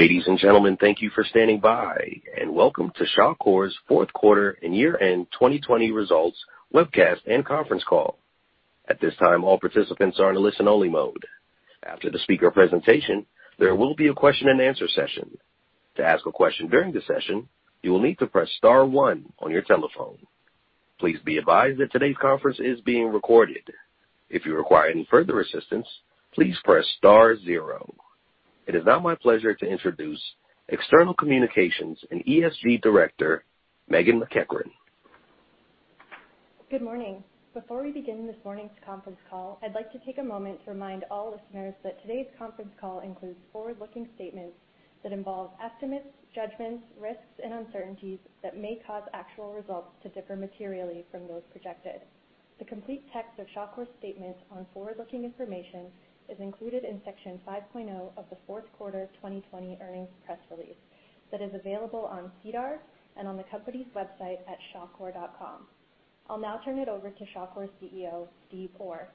Ladies and gentlemen, thank you for standing by, and welcome to Shawcor's Fourth Quarter and Year-End 2020 Results Webcast and Conference Call. At this time, all participants are in a listen-only mode. After the speaker presentation, there will be a question-and-answer session. To ask a question during the session, you will need to press star one on your telephone. Please be advised that today's conference is being recorded. If you require any further assistance, please press star zero. It is now my pleasure to introduce External Communications and ESG Director, Meghan MacEachern. Good morning. Before we begin this morning's conference call, I'd like to take a moment to remind all listeners that today's conference call includes forward-looking statements that involve estimates, judgments, risks, and uncertainties that may cause actual results to differ materially from those projected. The complete text of Shawcor's statements on forward-looking information is included in section 5.0 of the Fourth Quarter 2020 Earnings Press Release that is available on SEDAR and on the company's website at shawcor.com. I'll now turn it over to Shawcor's CEO, Steve Orr.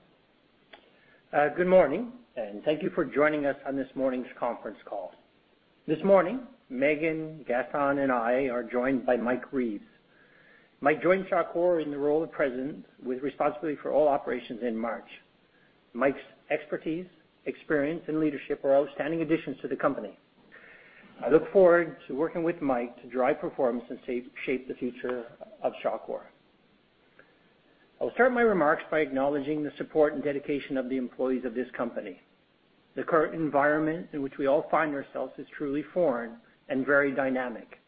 Good morning, and thank you for joining us on this morning's conference call. This morning, Meghan, Gaston, and I are joined by Mike Reeves. Mike joined Shawcor in the role of President with responsibility for all operations in March. Mike's expertise, experience, and leadership are outstanding additions to the company. I look forward to working with Mike to drive performance and shape the future of Shawcor. I'll start my remarks by acknowledging the support and dedication of the employees of this company. The current environment in which we all find ourselves is truly foreign and very dynamic.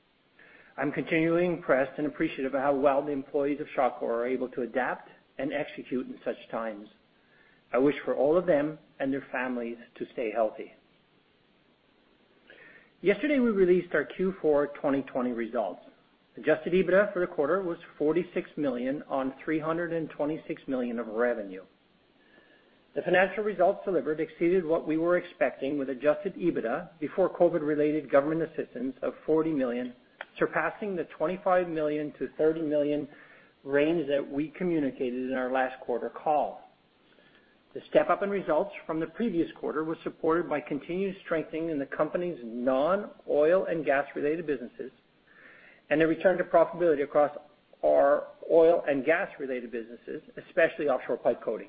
I'm continually impressed and appreciative of how well the employees of Shawcor are able to adapt and execute in such times. I wish for all of them and their families to stay healthy. Yesterday, we released our Q4 2020 results. Adjusted EBITDA for the quarter was 46 million on 326 million of revenue. The financial results delivered exceeded what we were expecting with adjusted EBITDA before COVID-related government assistance of 40 million, surpassing the 25 million-30 million range that we communicated in our last quarter call. The step-up in results from the previous quarter was supported by continued strengthening in the company's non-oil and gas-related businesses and a return to profitability across our oil and gas-related businesses, especially offshore pipe coating.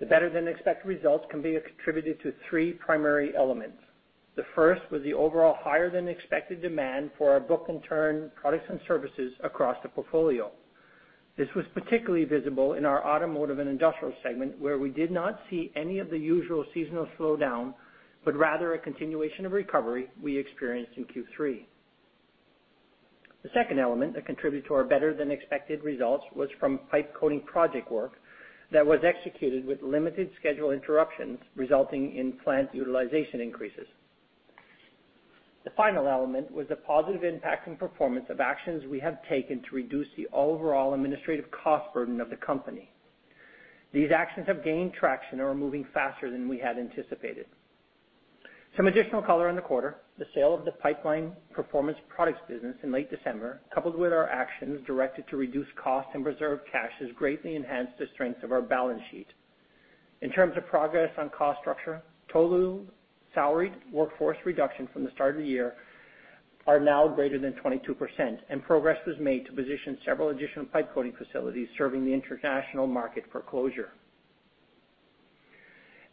The better-than-expected results can be attributed to three primary elements. The first was the overall higher-than-expected demand for our book and turn products and services across the portfolio. This was particularly visible in our Automotive and Industrial segment, where we did not see any of the usual seasonal slowdown, but rather a continuation of recovery we experienced in Q3. The second element that contributed to our better-than-expected results was from pipe coating project work that was executed with limited schedule interruptions, resulting in plant utilization increases. The final element was the positive impact and performance of actions we have taken to reduce the overall administrative cost burden of the company. These actions have gained traction and are moving faster than we had anticipated. Some additional color on the quarter: the sale of the Pipeline Performance Products business in late December, coupled with our actions directed to reduce costs and preserve cash, has greatly enhanced the strength of our balance sheet. In terms of progress on cost structure, total salaried workforce reduction from the start of the year is now greater than 22%, and progress was made to position several additional pipe coating facilities serving the international market for closure.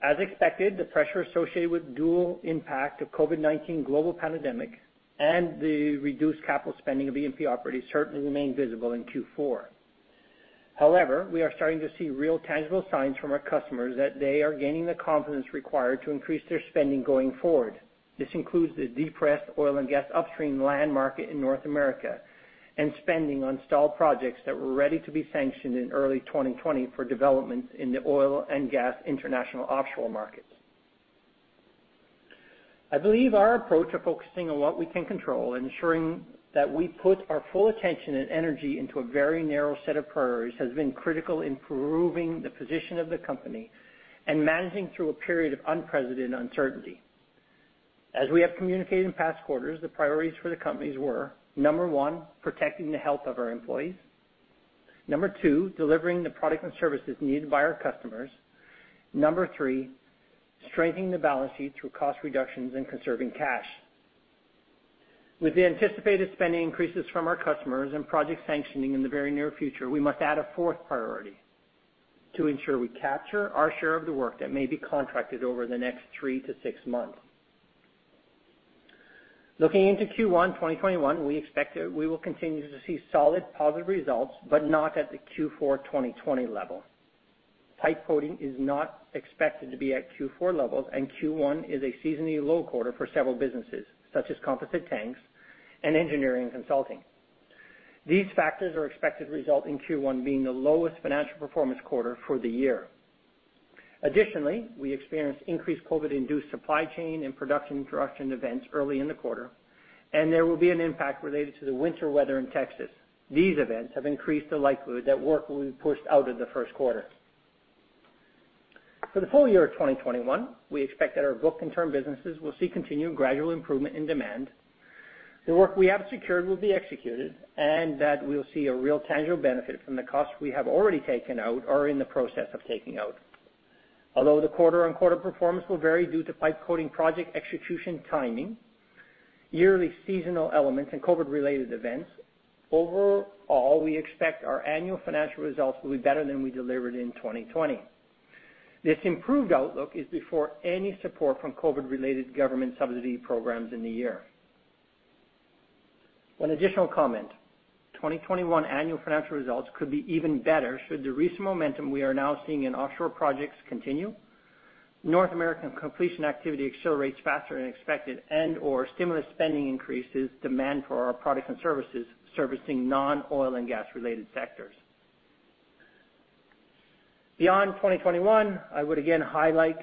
As expected, the pressure associated with the dual impact of the COVID-19 global pandemic and the reduced capital spending of E&P operators certainly remained visible in Q4. However, we are starting to see real tangible signs from our customers that they are gaining the confidence required to increase their spending going forward. This includes the depressed oil and gas upstream land market in North America and spending on stalled projects that were ready to be sanctioned in early 2020 for developments in the oil and gas international offshore markets. I believe our approach of focusing on what we can control and ensuring that we put our full attention and energy into a very narrow set of priorities has been critical in proving the position of the company and managing through a period of unprecedented uncertainty. As we have communicated in past quarters, the priorities for the companies were: number one, protecting the health of our employees, number two, delivering the product and services needed by our customers, number three, strengthening the balance sheet through cost reductions and conserving cash. With the anticipated spending increases from our customers and project sanctioning in the very near future, we must add a fourth priority to ensure we capture our share of the work that may be contracted over the next 3-6 months. Looking into Q1 2021, we expect that we will continue to see solid positive results, but not at the Q4 2020 level. Pipe coating is not expected to be at Q4 levels, and Q1 is a seasonally low quarter for several businesses, such as composite tanks and engineering consulting. These factors are expected to result in Q1 being the lowest financial performance quarter for the year. Additionally, we experienced increased COVID-induced supply chain and production interruption events early in the quarter, and there will be an impact related to the winter weather in Texas. These events have increased the likelihood that work will be pushed out of the first quarter. For the full year of 2021, we expect that our book and turn businesses will see continued gradual improvement in demand, the work we have secured will be executed, and that we'll see a real tangible benefit from the costs we have already taken out or are in the process of taking out. Although the quarter-on-quarter performance will vary due to pipe coating project execution timing, yearly seasonal elements, and COVID-related events, overall, we expect our annual financial results will be better than we delivered in 2020. This improved outlook is before any support from COVID-related government subsidy programs in the year. One additional comment: 2021 annual financial results could be even better should the recent momentum we are now seeing in offshore projects continue. North American completion activity accelerates faster than expected, and/or stimulus spending increases demand for our products and services servicing non-oil and gas-related sectors. Beyond 2021, I would again highlight,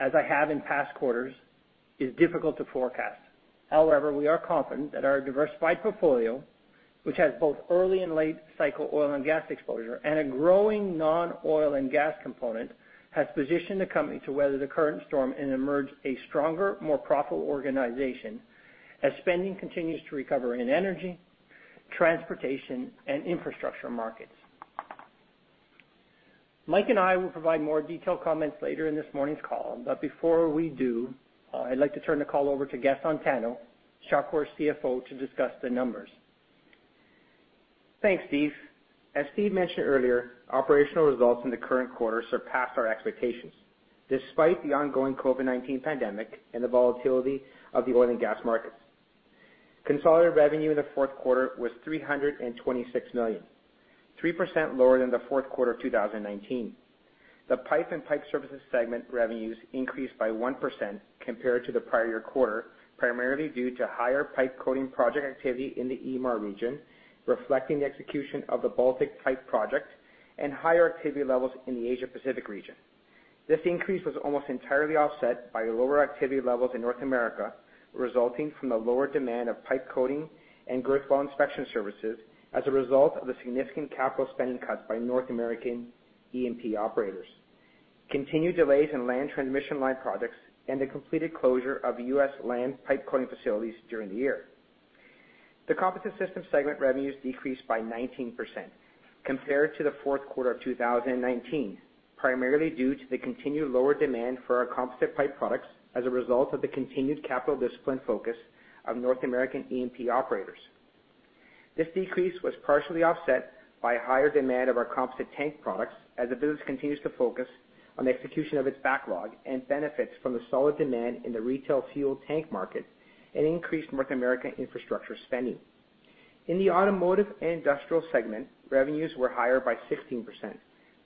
as I have in past quarters, it is difficult to forecast. However, we are confident that our diversified portfolio, which has both early and late-cycle oil and gas exposure and a growing non-oil and gas component, has positioned the company to weather the current storm and emerge a stronger, more profitable organization as spending continues to recover in energy, transportation, and infrastructure markets. Mike and I will provide more detailed comments later in this morning's call, but before we do, I'd like to turn the call over to Gaston Tano, Shawcor's CFO, to discuss the numbers. Thanks, Steve. As Steve mentioned earlier, operational results in the current quarter surpassed our expectations despite the ongoing COVID-19 pandemic and the volatility of the oil and gas markets. Consolidated revenue in the fourth quarter was 326 million, 3% lower than the fourth quarter of 2019. The Pipeline and Pipe Services segment revenues increased by 1% compared to the prior year quarter, primarily due to higher pipe coating project activity in the EMAR region, reflecting the execution of the Baltic Pipe project and higher activity levels in the Asia-Pacific region. This increase was almost entirely offset by lower activity levels in North America, resulting from the lower demand of pipe coating and girth weld inspection services as a result of the significant capital spending cuts by North American E&P operators, continued delays in land transmission line projects, and the completed closure of U.S. land pipe coating facilities during the year. The Composite Systems segment revenues decreased by 19% compared to the fourth quarter of 2019, primarily due to the continued lower demand for our composite pipe products as a result of the continued capital discipline focus of North American E&P operators. This decrease was partially offset by higher demand of our composite tank products as the business continues to focus on the execution of its backlog and benefits from the solid demand in the retail fuel tank market and increased North American infrastructure spending. In the Automotive and Industrial segment, revenues were higher by 16%,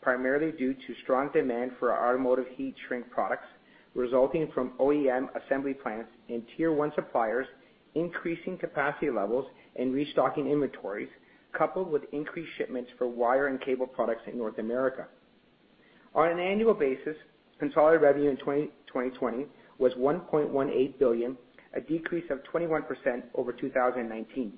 primarily due to strong demand for automotive heat-shrink products resulting from OEM assembly plants and tier-one suppliers increasing capacity levels and restocking inventories, coupled with increased shipments for wire and cable products in North America. On an annual basis, consolidated revenue in 2020 was 1.18 billion, a decrease of 21% over 2019.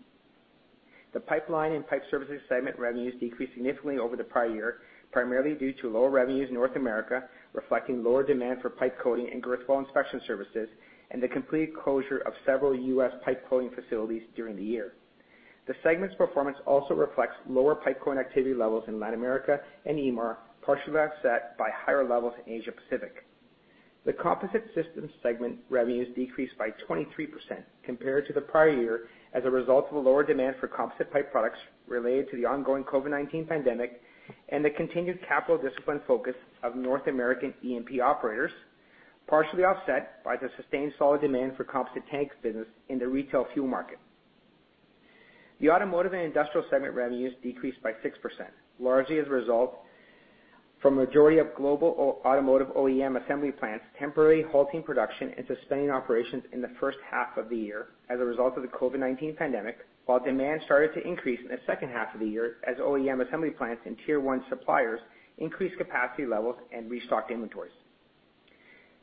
The pipeline and pipe services segment revenues decreased significantly over the prior year, primarily due to lower revenues in North America reflecting lower demand for pipe coating and girth weld inspection services and the completed closure of several U.S. pipe coating facilities during the year. The segment's performance also reflects lower pipe coating activity levels in Latin America and EMAR, partially offset by higher levels in Asia-Pacific. The Composite Systems segment revenues decreased by 23% compared to the prior year as a result of lower demand for composite pipe products related to the ongoing COVID-19 pandemic and the continued capital discipline focus of North American E&P operators, partially offset by the sustained solid demand for composite tank business in the retail fuel market. The Automotive and Industrial segment revenues decreased by 6%, largely as a result from the majority of global automotive OEM assembly plants temporarily halting production and suspending operations in the first half of the year as a result of the COVID-19 pandemic, while demand started to increase in the second half of the year as OEM assembly plants and tier-one suppliers increased capacity levels and restocked inventories.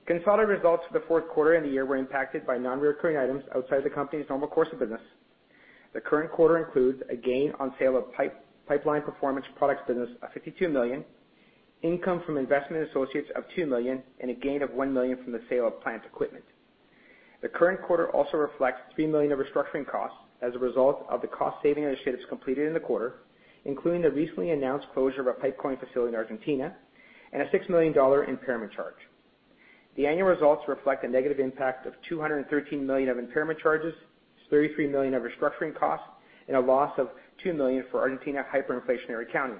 Consolidated results for the fourth quarter in the year were impacted by non-recurring items outside the company's normal course of business. The current quarter includes a gain on sale of pipeline performance products business of $52 million, income from investment associates of $2 million, and a gain of $1 million from the sale of plant equipment. The current quarter also reflects $3 million of restructuring costs as a result of the cost-saving initiatives completed in the quarter, including the recently announced closure of a pipe coating facility in Argentina and a $6 million impairment charge. The annual results reflect a negative impact of $213 million of impairment charges, $33 million of restructuring costs, and a loss of $2 million for Argentina hyperinflationary accounting.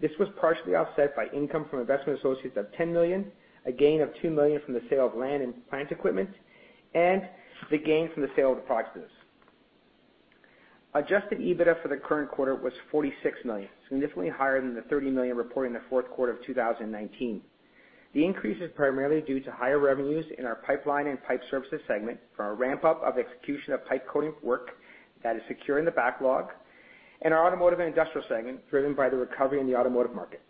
This was partially offset by income from investment associates of $10 million, a gain of $2 million from the sale of land and plant equipment, and the gain from the sale of the products business. Adjusted EBITDA for the current quarter was 46 million, significantly higher than the 30 million reported in the fourth quarter of 2019. The increase is primarily due to higher revenues in our pipeline and pipe services segment from a ramp-up of execution of pipe coating work that is securing the backlog, and our Automotive and Industrial segment driven by the recovery in the automotive market.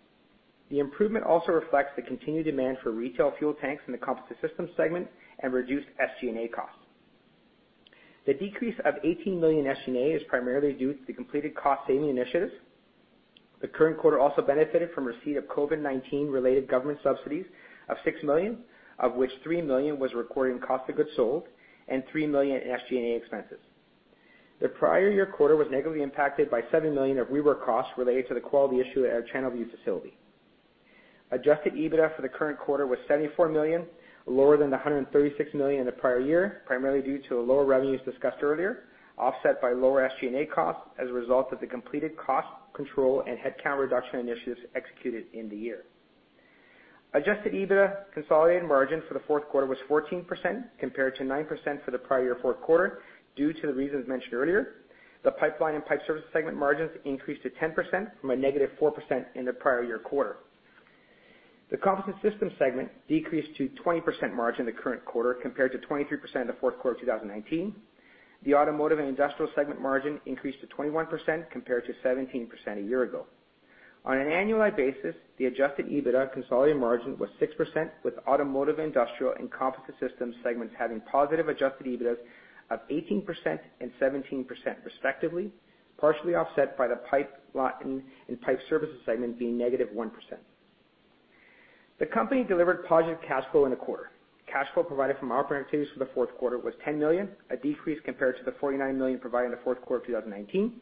The improvement also reflects the continued demand for retail fuel tanks in the Composite Systems segment and reduced SG&A costs. The decrease of 18 million SG&A is primarily due to the completed cost saving initiatives. The current quarter also benefited from receipt of COVID-19-related government subsidies of 6 million, of which 3 million was recorded in cost of goods sold and 3 million in SG&A expenses. The prior year quarter was negatively impacted by 7 million of rework costs related to the quality issue at our Channelview facility. Adjusted EBITDA for the current quarter was 74 million, lower than the 136 million in the prior year, primarily due to the lower revenues discussed earlier, offset by lower SG&A costs as a result of the completed cost control and headcount reduction initiatives executed in the year. Adjusted EBITDA consolidated margin for the fourth quarter was 14% compared to 9% for the prior year fourth quarter due to the reasons mentioned earlier. The pipeline and pipe services segment margins increased to 10% from a negative 4% in the prior year quarter. The Composite Systems segment decreased to 20% margin the current quarter compared to 23% in the fourth quarter of 2019. The Automotive and Industrial segment margin increased to 21% compared to 17% a year ago. On an annualized basis, the adjusted EBITDA consolidated margin was 6%, with Automotive and Industrial and Composite Systems segments having positive adjusted EBITDAs of 18% and 17% respectively, partially offset by the pipeline and pipe services segment being negative 1%. The company delivered positive cash flow in the quarter. Cash flow provided from operating activities for the fourth quarter was 10 million, a decrease compared to the 49 million provided in the fourth quarter of 2019.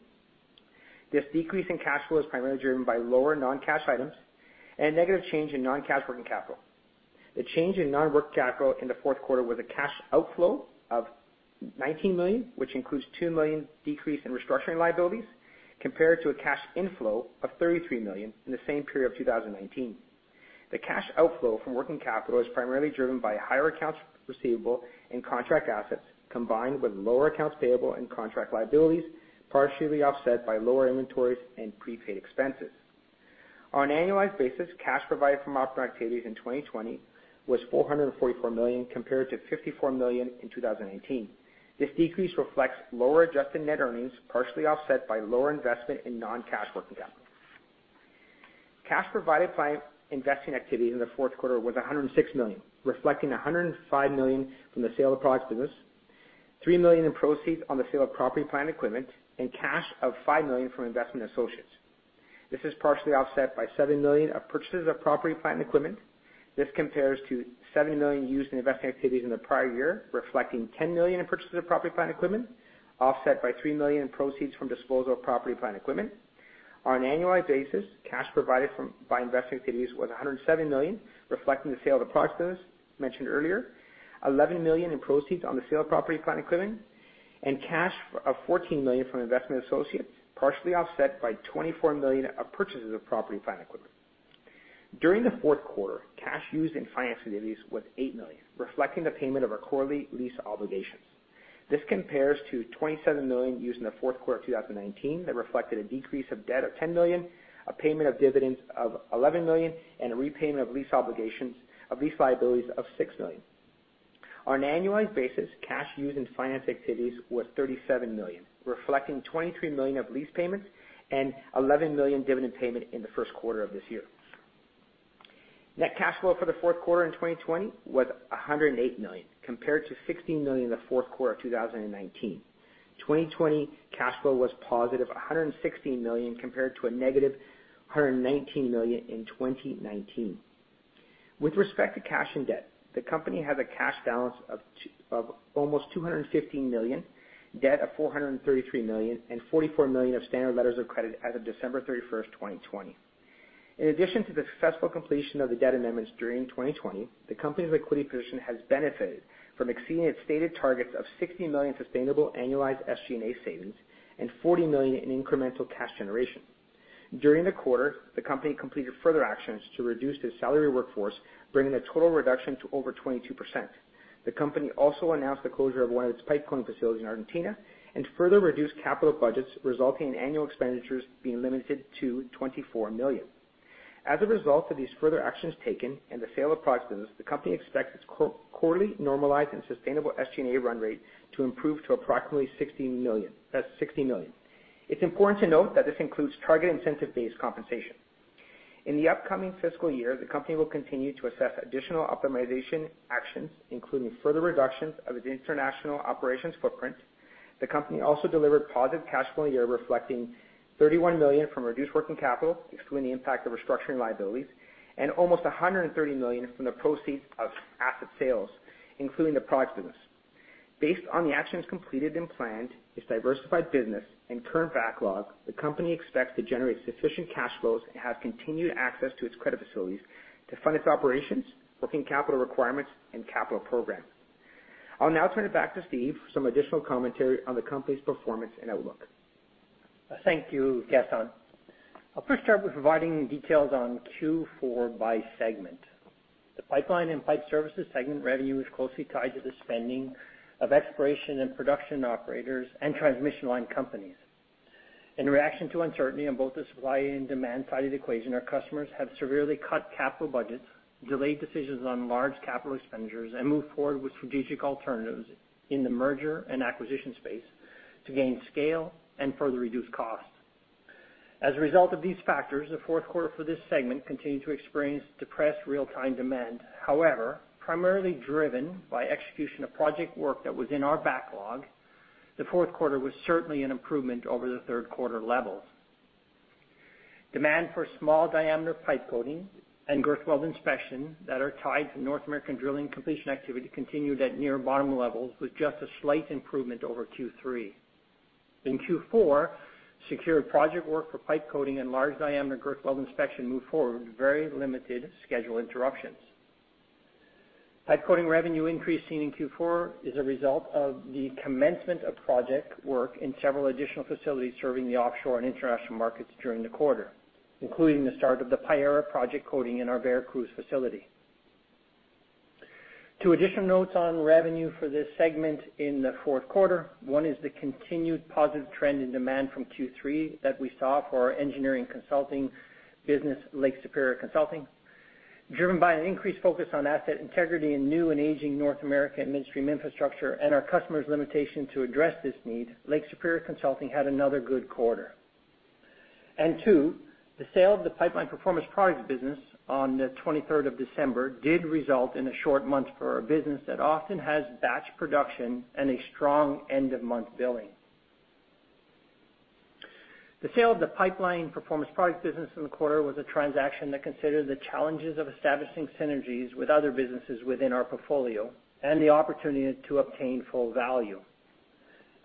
This decrease in cash flow is primarily driven by lower non-cash items and a negative change in non-cash working capital. The change in non-cash working capital in the fourth quarter was a cash outflow of 19 million, which includes a 2 million decrease in restructuring liabilities compared to a cash inflow of 33 million in the same period of 2019. The cash outflow from working capital is primarily driven by higher accounts receivable and contract assets combined with lower accounts payable and contract liabilities, partially offset by lower inventories and prepaid expenses. On an annualized basis, cash provided from operating activities in 2020 was 444 million compared to 54 million in 2019. This decrease reflects lower adjusted net earnings, partially offset by lower investment in non-cash working capital. Cash provided by investing activities in the fourth quarter was 106 million, reflecting 105 million from the sale of products business, 3 million in proceeds on the sale of property plant equipment, and cash of 5 million from investment associates. This is partially offset by 7 million of purchases of property plant equipment. This compares to 7 million used in investing activities in the prior year, reflecting 10 million in purchases of property plant equipment, offset by 3 million in proceeds from disposal of property plant equipment. On an annualized basis, cash provided by investing activities was 107 million, reflecting the sale of the products business mentioned earlier, 11 million in proceeds on the sale of property plant equipment, and cash of 14 million from investment associates, partially offset by 24 million of purchases of property plant equipment. During the fourth quarter, cash used in finance activities was 8 million, reflecting the payment of our quarterly lease obligations. This compares to 27 million used in the fourth quarter of 2019 that reflected a decrease of debt of 10 million, a payment of dividends of 11 million, and a repayment of lease obligations of lease liabilities of 6 million. On an annualized basis, cash used in finance activities was 37 million, reflecting 23 million of lease payments and 11 million dividend payment in the first quarter of this year. Net cash flow for the fourth quarter in 2020 was 108 million compared to 16 million in the fourth quarter of 2019. 2020 cash flow was positive 116 million compared to a negative 119 million in 2019. With respect to cash and debt, the company has a cash balance of almost 215 million, debt of 433 million, and 44 million of standard letters of credit as of December 31st, 2020. In addition to the successful completion of the debt amendments during 2020, the company's liquidity position has benefited from exceeding its stated targets of 60 million sustainable annualized SG&A savings and 40 million in incremental cash generation. During the quarter, the company completed further actions to reduce its salaried workforce, bringing the total reduction to over 22%. The company also announced the closure of one of its pipe coating facilities in Argentina and further reduced capital budgets, resulting in annual expenditures being limited to 24 million. As a result of these further actions taken and the sale of products business, the company expects its quarterly normalized and sustainable SG&A run rate to improve to approximately 60 million. It's important to note that this includes target incentive-based compensation. In the upcoming fiscal year, the company will continue to assess additional optimization actions, including further reductions of its international operations footprint. The company also delivered positive cash flow in the year, reflecting 31 million from reduced working capital, excluding the impact of restructuring liabilities, and almost 130 million from the proceeds of asset sales, including the products business. Based on the actions completed and planned, its diversified business and current backlog, the company expects to generate sufficient cash flows and have continued access to its credit facilities to fund its operations, working capital requirements, and capital program. I'll now turn it back to Steve for some additional commentary on the company's performance and outlook. Thank you, Gaston. I'll first start with providing details on Q4 by segment. The pipeline and pipe services segment revenue is closely tied to the spending of exploration and production operators and transmission line companies. In reaction to uncertainty on both the supply and demand side of the equation, our customers have severely cut capital budgets, delayed decisions on large capital expenditures, and moved forward with strategic alternatives in the merger and acquisition space to gain scale and further reduce costs. As a result of these factors, the fourth quarter for this segment continued to experience depressed real-time demand. However, primarily driven by execution of project work that was in our backlog, the fourth quarter was certainly an improvement over the third quarter levels. Demand for small diameter pipe coating and girth weld inspection that are tied to North American drilling and completion activity continued at near bottom levels with just a slight improvement over Q3. In Q4, secured project work for pipe coating and large diameter girth weld inspection moved forward with very limited schedule interruptions. Pipe coating revenue increase seen in Q4 is a result of the commencement of project work in several additional facilities serving the offshore and international markets during the quarter, including the start of the Payara project coating in our Veracruz facility. Two additional notes on revenue for this segment in the fourth quarter. One is the continued positive trend in demand from Q3 that we saw for our engineering consulting business, Lake Superior Consulting. Driven by an increased focus on asset integrity in new and aging North American midstream infrastructure and our customers' limitations to address this need, Lake Superior Consulting had another good quarter. And two, the sale of the pipeline performance products business on the 23rd of December did result in a short month for our business that often has batch production and a strong end-of-month billing. The sale of the pipeline performance products business in the quarter was a transaction that considered the challenges of establishing synergies with other businesses within our portfolio and the opportunity to obtain full value.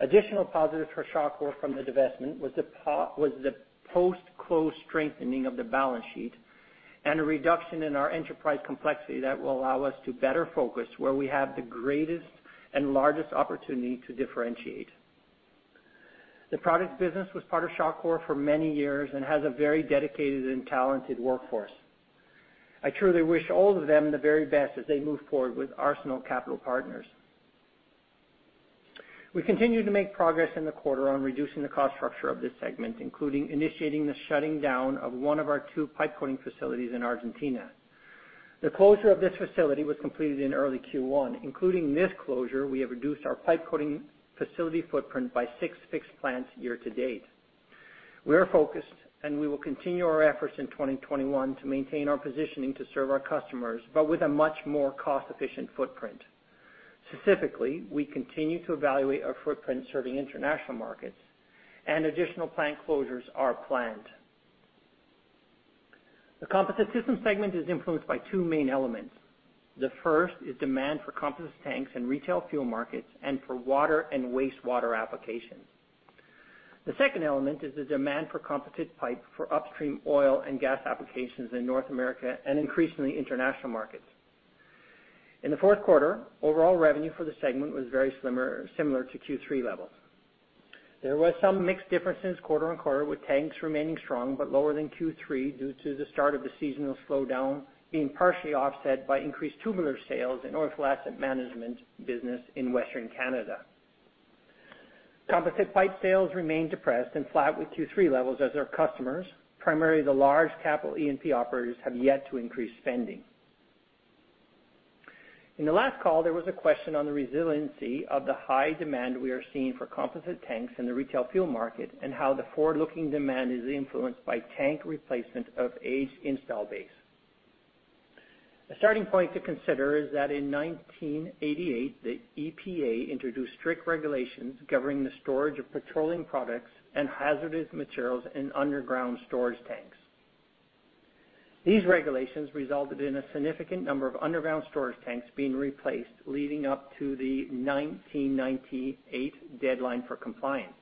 Additional positives for Shawcor from the divestment was the post-close strengthening of the balance sheet and a reduction in our enterprise complexity that will allow us to better focus where we have the greatest and largest opportunity to differentiate. The products business was part of Shawcor for many years and has a very dedicated and talented workforce. I truly wish all of them the very best as they move forward with Arsenal Capital Partners. We continue to make progress in the quarter on reducing the cost structure of this segment, including initiating the shutting down of one of our two pipe coating facilities in Argentina. The closure of this facility was completed in early Q1. Including this closure, we have reduced our pipe coating facility footprint by six fixed plants year to date. We are focused, and we will continue our efforts in 2021 to maintain our positioning to serve our customers, but with a much more cost-efficient footprint. Specifically, we continue to evaluate our footprint serving international markets, and additional plant closures are planned. The Composite Systems segment is influenced by two main elements. The first is demand for composite tanks in retail fuel markets and for water and wastewater applications. The second element is the demand for composite pipe for upstream oil and gas applications in North America and increasingly international markets. In the fourth quarter, overall revenue for the segment was very similar to Q3 levels. There were some mixed differences quarter on quarter, with tanks remaining strong but lower than Q3 due to the start of the seasonal slowdown being partially offset by increased tubular sales in oilfield asset management business in Western Canada. Composite pipe sales remained depressed and flat with Q3 levels as our customers, primarily the large capital E&P operators, have yet to increase spending. In the last call, there was a question on the resiliency of the high demand we are seeing for composite tanks in the retail fuel market and how the forward-looking demand is influenced by tank replacement of aged install base. A starting point to consider is that in 1988, the EPA introduced strict regulations governing the storage of petroleum products and hazardous materials in underground storage tanks. These regulations resulted in a significant number of underground storage tanks being replaced, leading up to the 1998 deadline for compliance.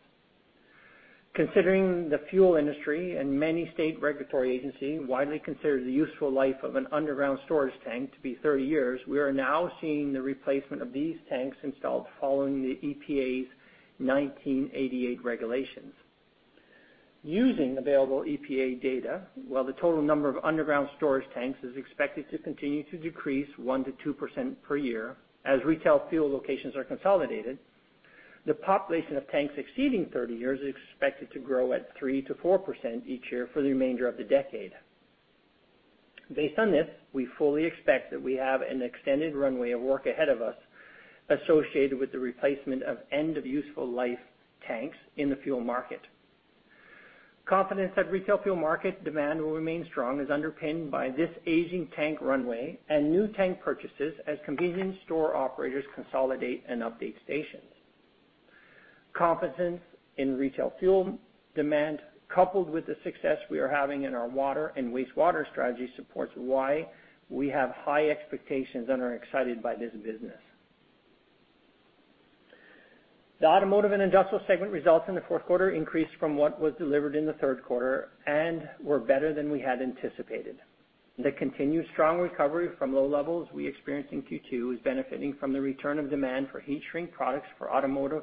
Consider, the fuel industry and many state regulatory agencies widely consider the useful life of an underground storage tank to be 30 years, we are now seeing the replacement of these tanks installed following the EPA's 1988 regulations. Using available EPA data, while the total number of underground storage tanks is expected to continue to decrease 1%-2% per year as retail fuel locations are consolidated, the population of tanks exceeding 30 years is expected to grow at 3%-4% each year for the remainder of the decade. Based on this, we fully expect that we have an extended runway of work ahead of us associated with the replacement of end-of-useful life tanks in the fuel market. Confidence that retail fuel market demand will remain strong is underpinned by this aging tank runway and new tank purchases as convenience store operators consolidate and update stations. Confidence in retail fuel demand, coupled with the success we are having in our water and wastewater strategy, supports why we have high expectations and are excited by this business. The Automotive and Industrial segment results in the fourth quarter increased from what was delivered in the third quarter and were better than we had anticipated. The continued strong recovery from low levels we experienced in Q2 is benefiting from the return of demand for heat-shrink products for automotive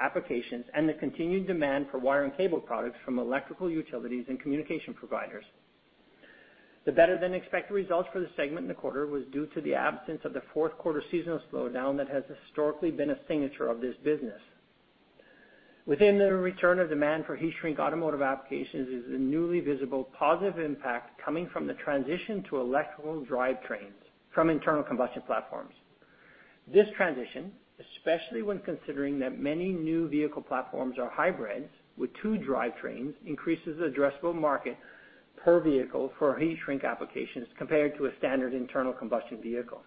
applications and the continued demand for wire and cable products from electrical utilities and communication providers. The better-than-expected results for the segment in the quarter was due to the absence of the fourth quarter seasonal slowdown that has historically been a signature of this business. Within the return of demand for heat-shrink automotive applications is a newly visible positive impact coming from the transition to electrical drivetrains from internal combustion platforms. This transition, especially when considering that many new vehicle platforms are hybrids with two drivetrains, increases the addressable market per vehicle for heat-shrink applications compared to a standard internal combustion vehicle.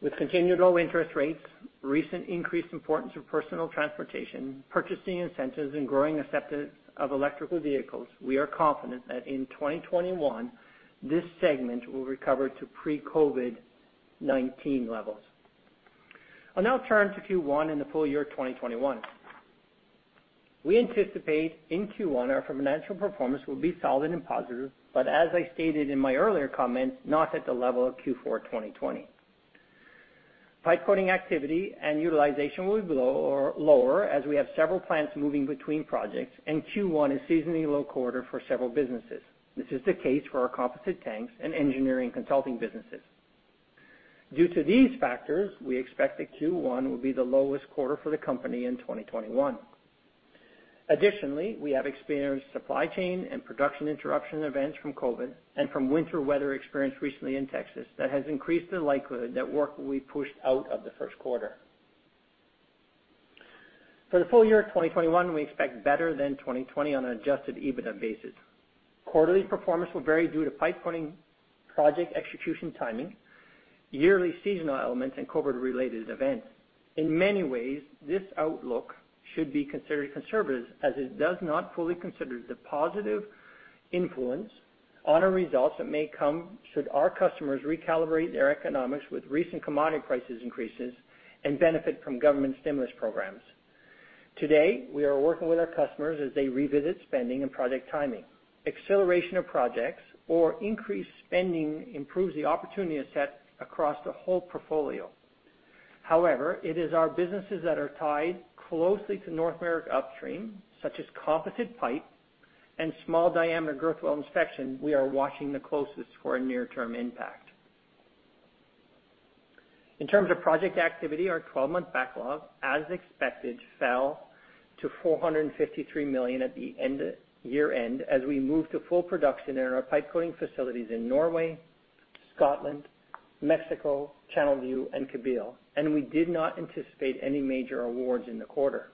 With continued low interest rates, recent increased importance of personal transportation, purchasing incentives, and growing acceptance of electric vehicles, we are confident that in 2021, this segment will recover to pre-COVID-19 levels. I'll now turn to Q1 in the full year 2021. We anticipate in Q1 our financial performance will be solid and positive, but as I stated in my earlier comments, not at the level of Q4 2020. Pipe coating activity and utilization will be lower as we have several plants moving between projects, and Q1 is seasonally low quarter for several businesses. This is the case for our composite tanks and engineering consulting businesses. Due to these factors, we expect that Q1 will be the lowest quarter for the company in 2021. Additionally, we have experienced supply chain and production interruption events from COVID and from winter weather experienced recently in Texas that has increased the likelihood that work will be pushed out of the first quarter. For the full year 2021, we expect better than 2020 on an Adjusted EBITDA basis. Quarterly performance will vary due to pipe coating project execution timing, yearly seasonal elements, and COVID-related events. In many ways, this outlook should be considered conservative as it does not fully consider the positive influence on our results that may come should our customers recalibrate their economics with recent commodity price increases and benefit from government stimulus programs. Today, we are working with our customers as they revisit spending and project timing. Acceleration of projects or increased spending improves the opportunity set across the whole portfolio. However, it is our businesses that are tied closely to North America upstream, such as composite pipe and small diameter girth weld inspection, we are watching the closest for a near-term impact. In terms of project activity, our 12-month backlog, as expected, fell to 453 million at the year-end as we moved to full production in our pipe coating facilities in Norway, Scotland, Mexico, Channelview, and Kabil, and we did not anticipate any major awards in the quarter.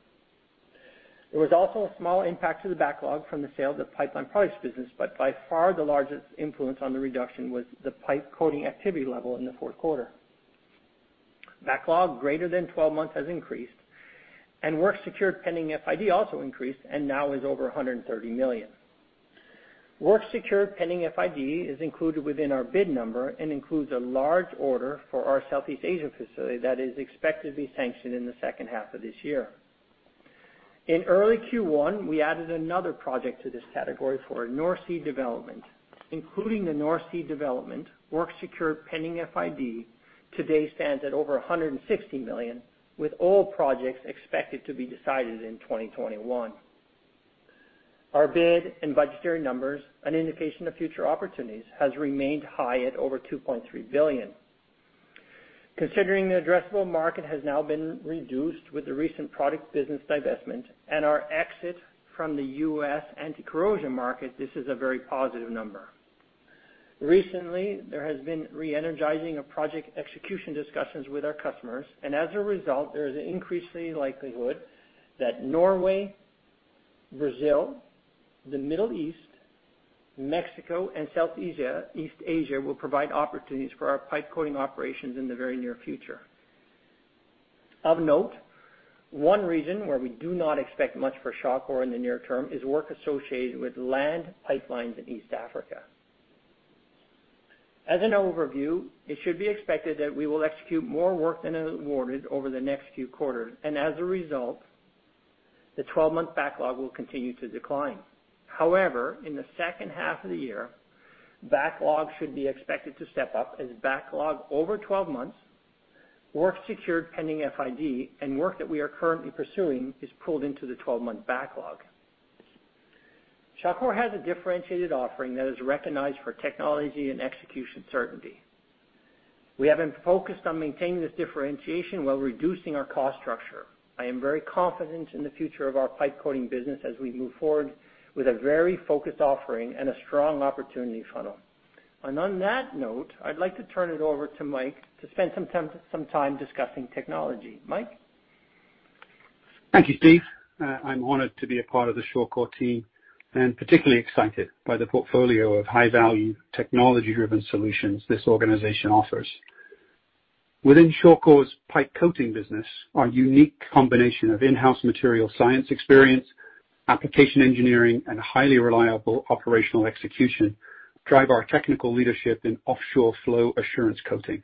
There was also a small impact to the backlog from the sale of the pipeline products business, but by far the largest influence on the reduction was the pipe coating activity level in the fourth quarter. Backlog greater than 12 months has increased, and work secured pending FID also increased and now is over 130 million. Work secured pending FID is included within our bid number and includes a large order for our Southeast Asia facility that is expected to be sanctioned in the second half of this year. In early Q1, we added another project to this category for North Sea Development. Including the North Sea Development, work secured pending FID today stands at over 160 million, with all projects expected to be decided in 2021. Our bid and budgetary numbers, an indication of future opportunities, have remained high at over 2.3 billion. Considering the addressable market has now been reduced with the recent product business divestment and our exit from the U.S. anti-corrosion market, this is a very positive number. Recently, there has been re-energizing of project execution discussions with our customers, and as a result, there is an increasing likelihood that Norway, Brazil, the Middle East, Mexico, and Southeast Asia will provide opportunities for our pipe coating operations in the very near future. Of note, one reason where we do not expect much for shock work in the near term is work associated with land pipelines in East Africa. As an overview, it should be expected that we will execute more work than awarded over the next few quarters, and as a result, the 12-month backlog will continue to decline. However, in the second half of the year, backlog should be expected to step up as backlog over 12 months, work secured pending FID, and work that we are currently pursuing is pulled into the 12-month backlog. Shawcor has a differentiated offering that is recognized for technology and execution certainty. We have been focused on maintaining this differentiation while reducing our cost structure. I am very confident in the future of our pipe coating business as we move forward with a very focused offering and a strong opportunity funnel. And on that note, I'd like to turn it over to Mike to spend some time discussing technology. Mike. Thank you, Steve. I'm honored to be a part of the Shawcor team and particularly excited by the portfolio of high-value technology-driven solutions this organization offers. Within Shawcor's pipe coating business, our unique combination of in-house material science experience, application engineering, and highly reliable operational execution drives our technical leadership in offshore flow assurance coating.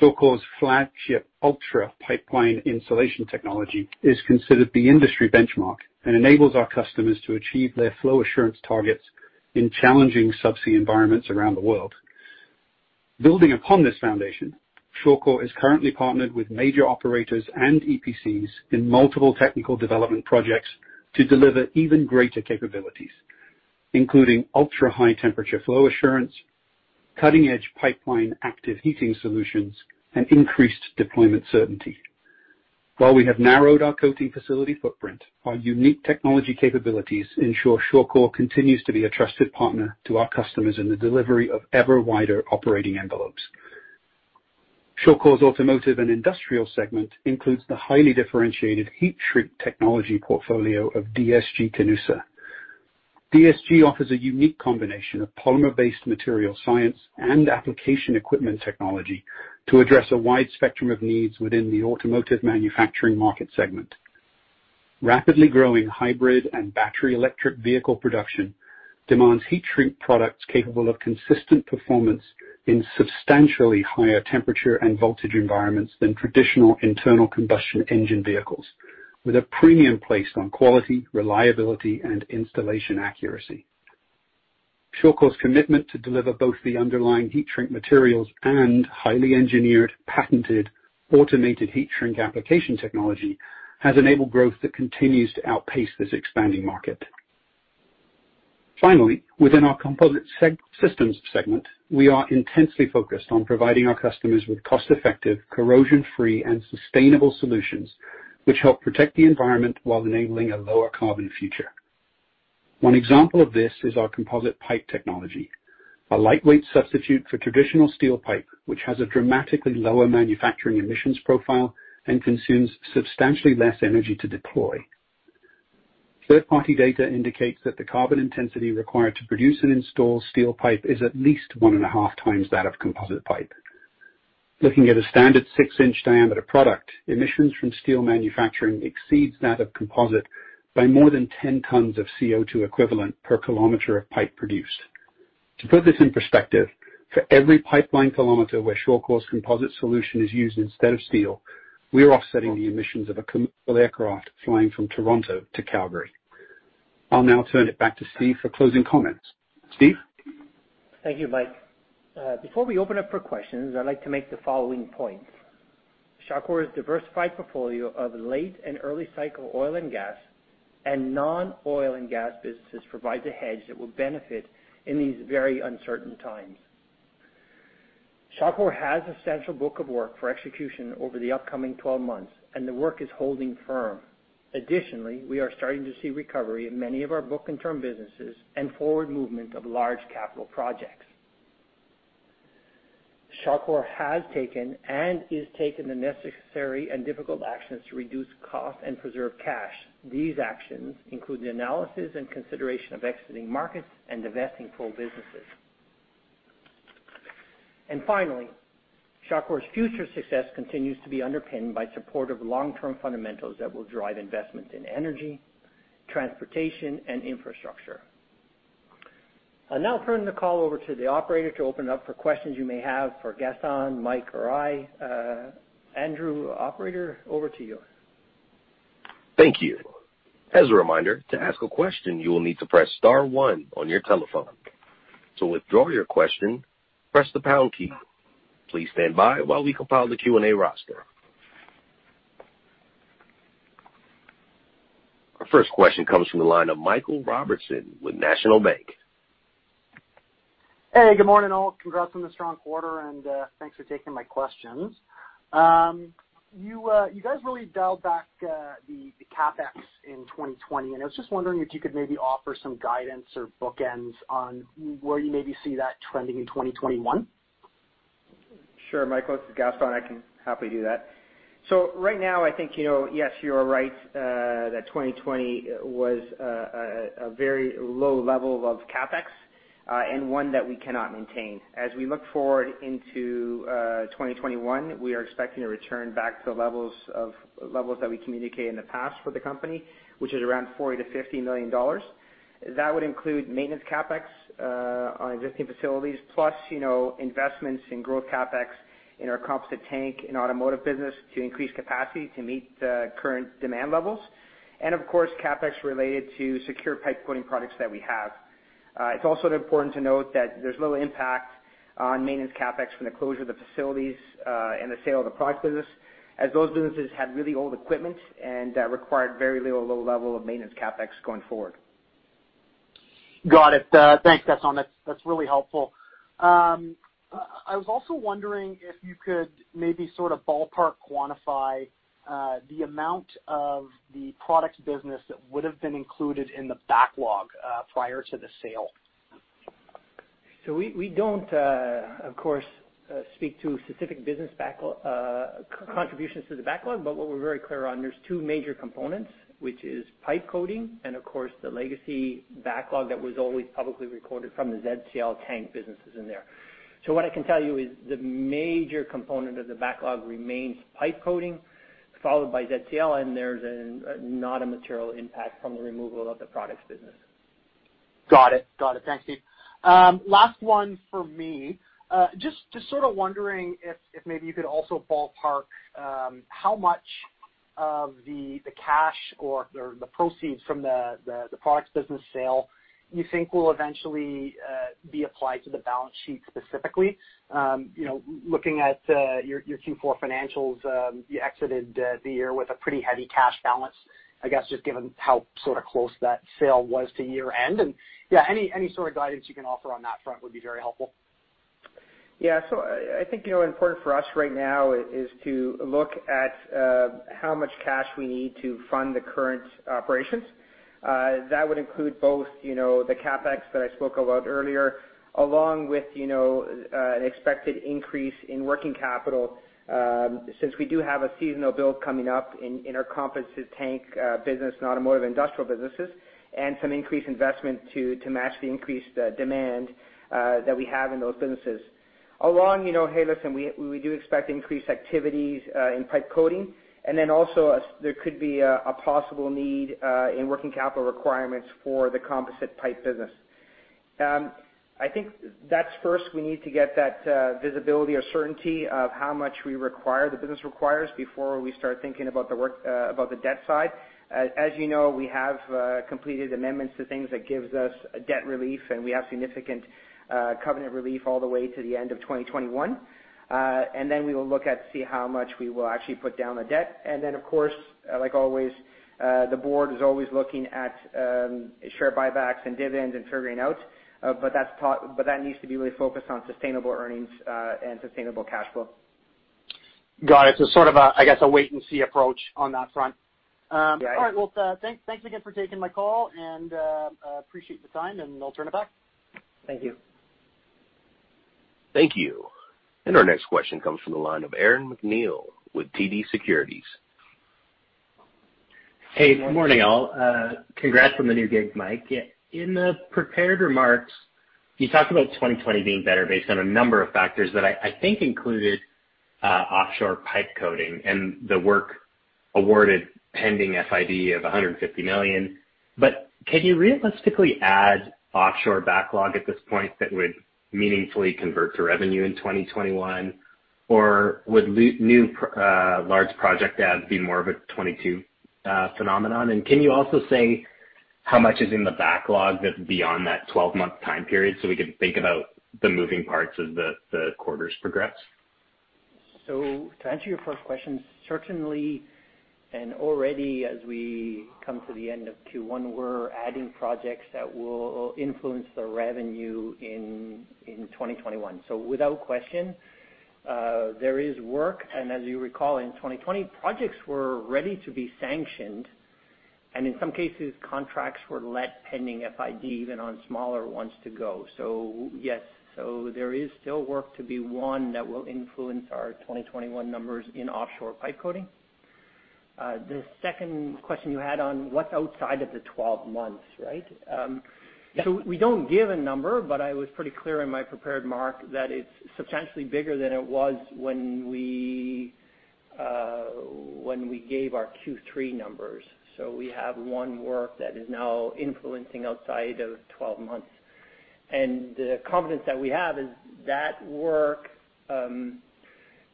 Shawcor's flagship ULTRA pipeline insulation technology is considered the industry benchmark and enables our customers to achieve their flow assurance targets in challenging subsea environments around the world. Building upon this foundation, Shawcor is currently partnered with major operators and EPCs in multiple technical development projects to deliver even greater capabilities, including ultra-high temperature flow assurance, cutting-edge pipeline active heating solutions, and increased deployment certainty. While we have narrowed our coating facility footprint, our unique technology capabilities ensure Shawcor continues to be a trusted partner to our customers in the delivery of ever-wider operating envelopes. Shawcor's Automotive and Industrial segment includes the highly differentiated heat-shrink technology portfolio of DSG-Canusa. DSG-Canusa offers a unique combination of polymer-based material science and application equipment technology to address a wide spectrum of needs within the automotive manufacturing market segment. Rapidly growing hybrid and battery-electric vehicle production demands heat-shrink products capable of consistent performance in substantially higher temperature and voltage environments than traditional internal combustion engine vehicles, with a premium placed on quality, reliability, and installation accuracy. Shawcor's commitment to deliver both the underlying heat-shrink materials and highly engineered, patented, automated heat-shrink application technology has enabled growth that continues to outpace this expanding market. Finally, within our Composite Systems segment, we are intensely focused on providing our customers with cost-effective, corrosion-free, and sustainable solutions which help protect the environment while enabling a lower carbon future. One example of this is our composite pipe technology, a lightweight substitute for traditional steel pipe, which has a dramatically lower manufacturing emissions profile and consumes substantially less energy to deploy. Third-party data indicates that the carbon intensity required to produce and install steel pipe is at least 1.5 times that of composite pipe. Looking at a standard 6-inch diameter product, emissions from steel manufacturing exceed that of composite by more than 10 tons of CO2 equivalent per kilometer of pipe produced. To put this in perspective, for every pipeline kilometer where Shawcor's composite solution is used instead of steel, we are offsetting the emissions of a commercial aircraft flying from Toronto to Calgary. I'll now turn it back to Steve for closing comments. Steve? Thank you, Mike. Before we open up for questions, I'd like to make the following points. Shawcor's diversified portfolio of late and early cycle oil and gas and non-oil and gas businesses provides a hedge that will benefit in these very uncertain times. Shawcor has a central book of work for execution over the upcoming 12 months, and the work is holding firm. Additionally, we are starting to see recovery in many of our book and turn businesses and forward movement of large capital projects. Shawcor has taken and is taking the necessary and difficult actions to reduce costs and preserve cash. These actions include the analysis and consideration of exiting markets and divesting full businesses. And finally, Shawcor's future success continues to be underpinned by supportive long-term fundamentals that will drive investments in energy, transportation, and infrastructure. I'll now turn the call over to the operator to open up for questions you may have for Gaston, Mike, or I. Andrew, operator, over to you. Thank you. As a reminder, to ask a question, you will need to press star one on your telephone. To withdraw your question, press the pound key. Please stand by while we compile the Q&A roster. Our first question comes from the line of Michael Robertson with National Bank. Hey, good morning all. Congrats on the strong quarter, and thanks for taking my questions. You guys really dialed back the CapEx in 2020, and I was just wondering if you could maybe offer some guidance or bookends on where you maybe see that trending in 2021. Sure, Mike, this is Gaston. I can happily do that. So right now, I think, yes, you are right that 2020 was a very low level of CapEx and one that we cannot maintain. As we look forward into 2021, we are expecting to return back to levels that we communicated in the past for the company, which is around $40 million-$50 million. That would include maintenance CapEx on existing facilities, plus investments in growth CapEx in our composite tank and automotive business to increase capacity to meet current demand levels, and of course, CapEx related to Shawcor pipe coating products that we have. It's also important to note that there's little impact on maintenance CapEx from the closure of the facilities and the sale of the product business, as those businesses had really old equipment and required very low level of maintenance CapEx going forward. Got it. Thanks, Gaston. That's really helpful. I was also wondering if you could maybe sort of ballpark quantify the amount of the product business that would have been included in the backlog prior to the sale. So we don't, of course, speak to specific business contributions to the backlog, but what we're very clear on, there's two major components, which is pipe coating and, of course, the legacy backlog that was always publicly recorded from the ZCL tank businesses in there. So what I can tell you is the major component of the backlog remains pipe coating, followed by ZCL, and there's not a material impact from the removal of the products business. Got it. Got it. Thanks, Steve. Last one for me. Just sort of wondering if maybe you could also ballpark how much of the cash or the proceeds from the products business sale you think will eventually be applied to the balance sheet specifically. Looking at your Q4 financials, you exited the year with a pretty heavy cash balance, I guess, just given how sort of close that sale was to year-end. Yeah, any sort of guidance you can offer on that front would be very helpful. Yeah. So, I think important for us right now is to look at how much cash we need to fund the current operations. That would include both the CapEx that I spoke about earlier, along with an expected increase in working capital, since we do have a seasonal build coming up in our composite tank business and automotive industrial businesses, and some increased investment to match the increased demand that we have in those businesses. Along, hey, listen, we do expect increased activities in pipe coating, and then also there could be a possible need in working capital requirements for the composite pipe business. I think that's first, we need to get that visibility or certainty of how much the business requires before we start thinking about the debt side. As you know, we have completed amendments to things that give us debt relief, and we have significant covenant relief all the way to the end of 2021. And then we will look at see how much we will actually put down the debt. And then, of course, like always, the board is always looking at share buybacks and dividends and figuring out, but that needs to be really focused on sustainable earnings and sustainable cash flow. Got it. So sort of, I guess, a wait-and-see approach on that front. All right. Well, thanks again for taking my call, and I appreciate the time, and I'll turn it back. Thank you. Thank you. And our next question comes from the line of Aaron MacNeil with TD Securities. Hey, good morning all. Congrats on the new gig, Mike. In the prepared remarks, you talked about 2020 being better based on a number of factors that I think included offshore pipe coating and the work awarded pending FID of 150 million. But can you realistically add offshore backlog at this point that would meaningfully convert to revenue in 2021, or would new large project ads be more of a 2022 phenomenon? And can you also say how much is in the backlog that's beyond that 12-month time period so we can think about the moving parts as the quarters progress? So to answer your first question, certainly, and already as we come to the end of Q1, we're adding projects that will influence the revenue in 2021. So without question, there is work. As you recall, in 2020, projects were ready to be sanctioned, and in some cases, contracts were let pending FID, even on smaller ones to go. So yes, so there is still work to be won that will influence our 2021 numbers in offshore pipe coating. The second question you had on what's outside of the 12 months, right? So we don't give a number, but I was pretty clear in my prepared remarks that it's substantially bigger than it was when we gave our Q3 numbers. So we have ongoing work that is now influencing outside of 12 months. And the confidence that we have is that work,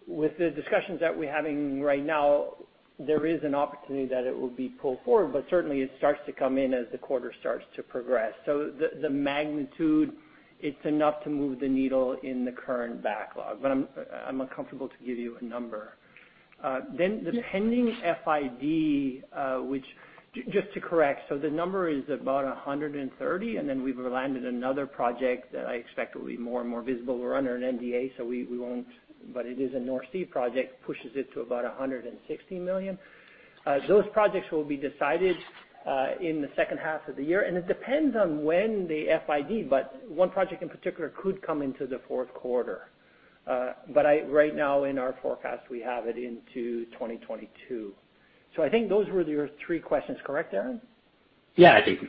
with the discussions that we're having right now, there is an opportunity that it will be pulled forward, but certainly, it starts to come in as the quarter starts to progress. So the magnitude, it's enough to move the needle in the current backlog, but I'm uncomfortable to give you a number. Then the pending FID, which just to correct, so the number is about 130 million, and then we've landed another project that I expect will be more and more visible. We're under an NDA, so we won't, but it is a North Sea project, pushes it to about 160 million. Those projects will be decided in the second half of the year, and it depends on when the FID, but one project in particular could come into the fourth quarter. But right now, in our forecast, we have it into 2022. So I think those were your three questions. Correct, Aaron? Yeah, I think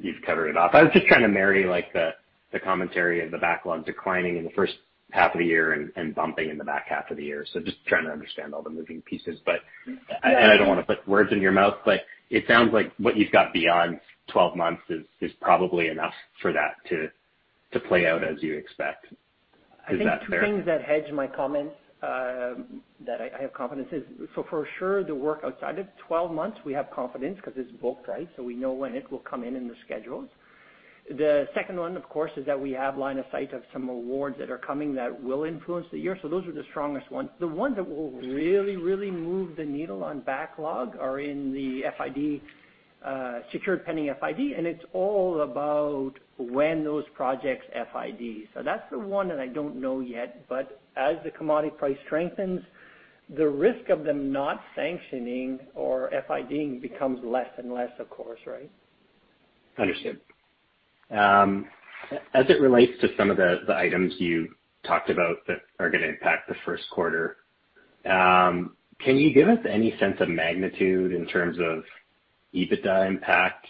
you've covered it up. I was just trying to marry the commentary of the backlog declining in the first half of the year and bumping in the back half of the year. So just trying to understand all the moving pieces, and I don't want to put words in your mouth, but it sounds like what you've got beyond 12 months is probably enough for that to play out as you expect. Is that fair? I mean, two things that hedge my comments that I have confidence in. So for sure, the work outside of 12 months, we have confidence because it's booked, right? So we know when it will come in in the schedules. The second one, of course, is that we have line of sight of some awards that are coming that will influence the year. So those are the strongest ones. The ones that will really, really move the needle on backlog are in the FID, secured pending FID, and it's all about when those projects FID. So that's the one that I don't know yet, but as the commodity price strengthens, the risk of them not sanctioning or FIDing becomes less and less, of course, right? Understood. As it relates to some of the items you talked about that are going to impact the first quarter, can you give us any sense of magnitude in terms of EBITDA impact?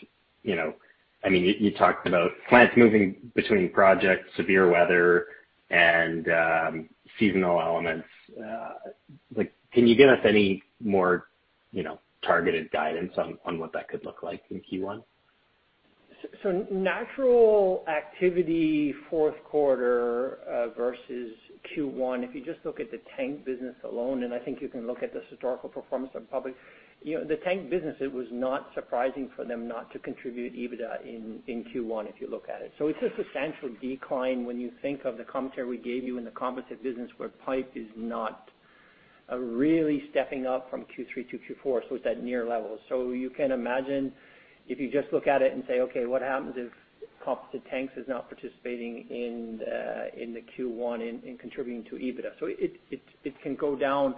I mean, you talked about plants moving between projects, severe weather, and seasonal elements. Can you give us any more targeted guidance on what that could look like in Q1? So, natural activity fourth quarter versus Q1, if you just look at the tank business alone, and I think you can look at the historical performance of the public, the tank business, it was not surprising for them not to contribute EBITDA in Q1 if you look at it. So it's a substantial decline when you think of the commentary we gave you in the composite business where pipe is not really stepping up from Q3 to Q4, so it's at near levels. So you can imagine if you just look at it and say, "Okay, what happens if composite tanks is not participating in the Q1 and contributing to EBITDA?" So it can go down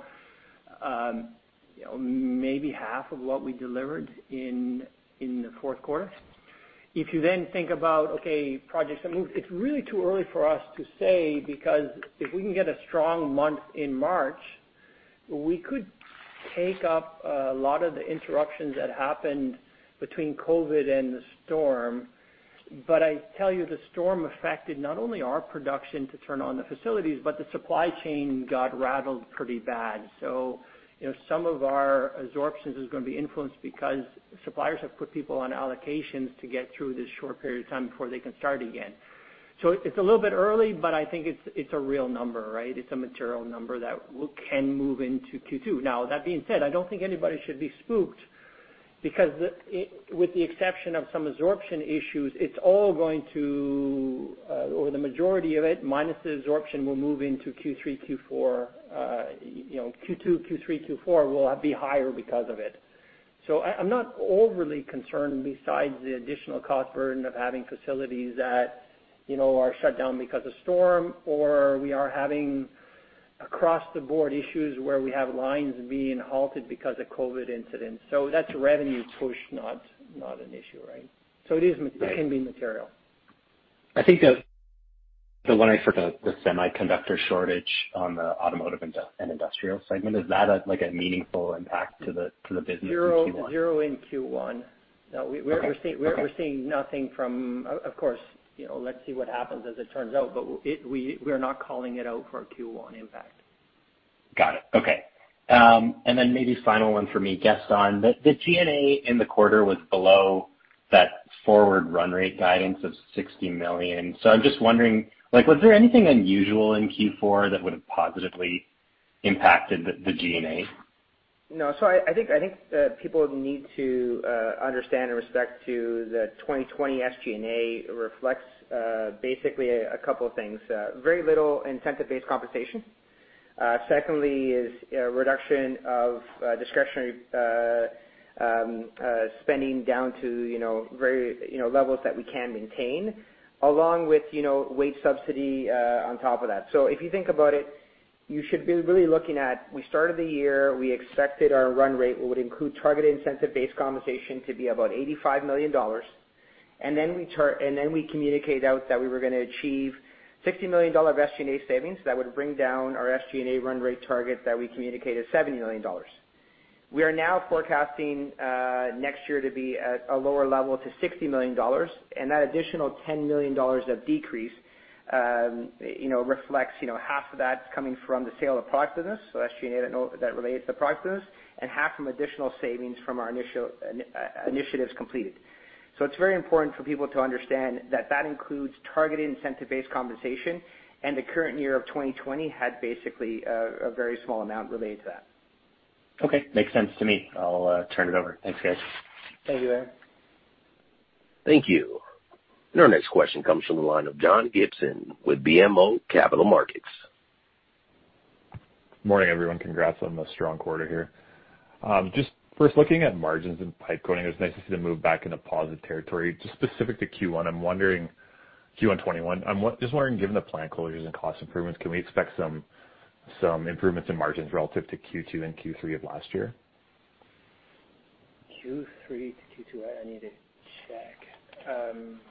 maybe half of what we delivered in the fourth quarter. If you then think about, "Okay, projects that move," it's really too early for us to say because if we can get a strong month in March, we could take up a lot of the interruptions that happened between COVID and the storm. But I tell you, the storm affected not only our production to turn on the facilities, but the supply chain got rattled pretty bad. So some of our absorptions is going to be influenced because suppliers have put people on allocations to get through this short period of time before they can start again. So it's a little bit early, but I think it's a real number, right? It's a material number that can move into Q2. Now, that being said, I don't think anybody should be spooked because with the exception of some absorption issues, it's all going to, or the majority of it, minus the absorption, will move into Q3, Q4. Q2, Q3, Q4 will be higher because of it. So I'm not overly concerned besides the additional cost burden of having facilities that are shut down because of storm or we are having across-the-board issues where we have lines being halted because of COVID incidents. So that's a revenue push, not an issue, right? So it can be material. I think the one I forgot, the semiconductor shortage on the Automotive and Industrial segment, is that a meaningful impact to the business in Q1? 0 in Q1. We're seeing nothing from, of course, let's see what happens as it turns out, but we are not calling it out for a Q1 impact. Got it. Okay. And then maybe final one for me, Gaston. The G&A in the quarter was below that forward run rate guidance of $60 million. So I'm just wondering, was there anything unusual in Q4 that would have positively impacted the G&A? No. So I think people need to understand and with respect to the 2020 SG&A reflects basically a couple of things. Very little incentive-based compensation. Secondly is a reduction of discretionary spending down to levels that we can maintain, along with wage subsidy on top of that. So if you think about it, you should be really looking at we started the year, we expected our run rate would include targeted incentive-based compensation to be about $85 million, and then we communicate out that we were going to achieve $60 million of SG&A savings that would bring down our SG&A run rate target that we communicated $70 million. We are now forecasting next year to be at a lower level to $60 million, and that additional $10 million of decrease reflects half of that coming from the sale of products business, so SG&A that relates to products business, and half from additional savings from our initiatives completed. So it's very important for people to understand that that includes targeted incentive-based compensation, and the current year of 2020 had basically a very small amount related to that. Okay. Makes sense to me. I'll turn it over. Thanks, guys. Thank you, Aaron. Thank you. And our next question comes from the line of John Gibson with BMO Capital Markets. Good morning, everyone. Congrats on the strong quarter here. Just first, looking at margins and pipe coating, it's nice to see them move back into positive territory. Just specific to Q1, I'm wondering, Q1 2021, I'm just wondering, given the plant closures and cost improvements, can we expect some improvements in margins relative to Q2 and Q3 of last year? Q3 to Q2, I need to check.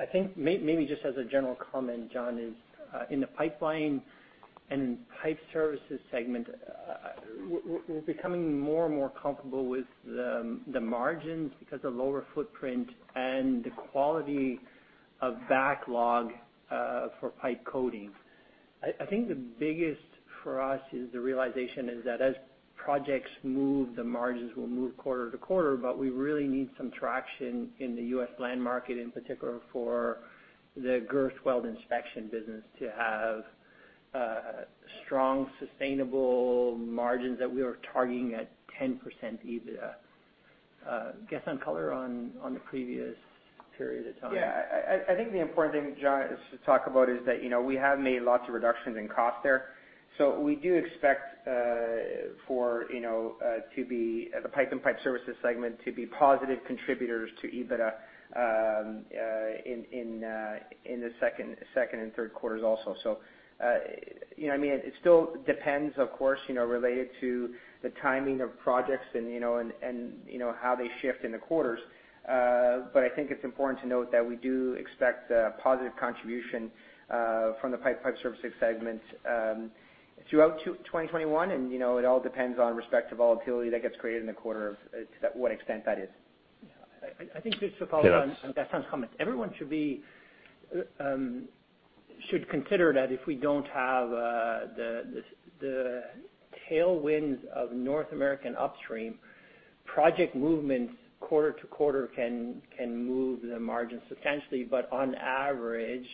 I think maybe just as a general comment, John, is in the pipeline and pipe services segment, we're becoming more and more comfortable with the margins because of lower footprint and the quality of backlog for pipe coating. I think the biggest for us is the realization is that as projects move, the margins will move quarter-to-quarter, but we really need some traction in the U.S. land market, in particular for the girth weld inspection business, to have strong, sustainable margins that we are targeting at 10% EBITDA. Give some color on the previous period of time. Yeah. I think the important thing, John, is to talk about is that we have made lots of reductions in cost there. So we do expect for to be the Pipeline and Pipe Services segment to be positive contributors to EBITDA in the second and third quarters also. So I mean, it still depends, of course, related to the timing of projects and how they shift in the quarters, but I think it's important to note that we do expect a positive contribution from the Pipeline and Pipe Services segment throughout 2021, and it all depends on respect to volatility that gets created in the quarter to what extent that is. Yeah. I think just to follow up on Gaston's comment, everyone should consider that if we don't have the tailwinds of North American upstream, project movements quarter-to-quarter can move the margins substantially, but on average,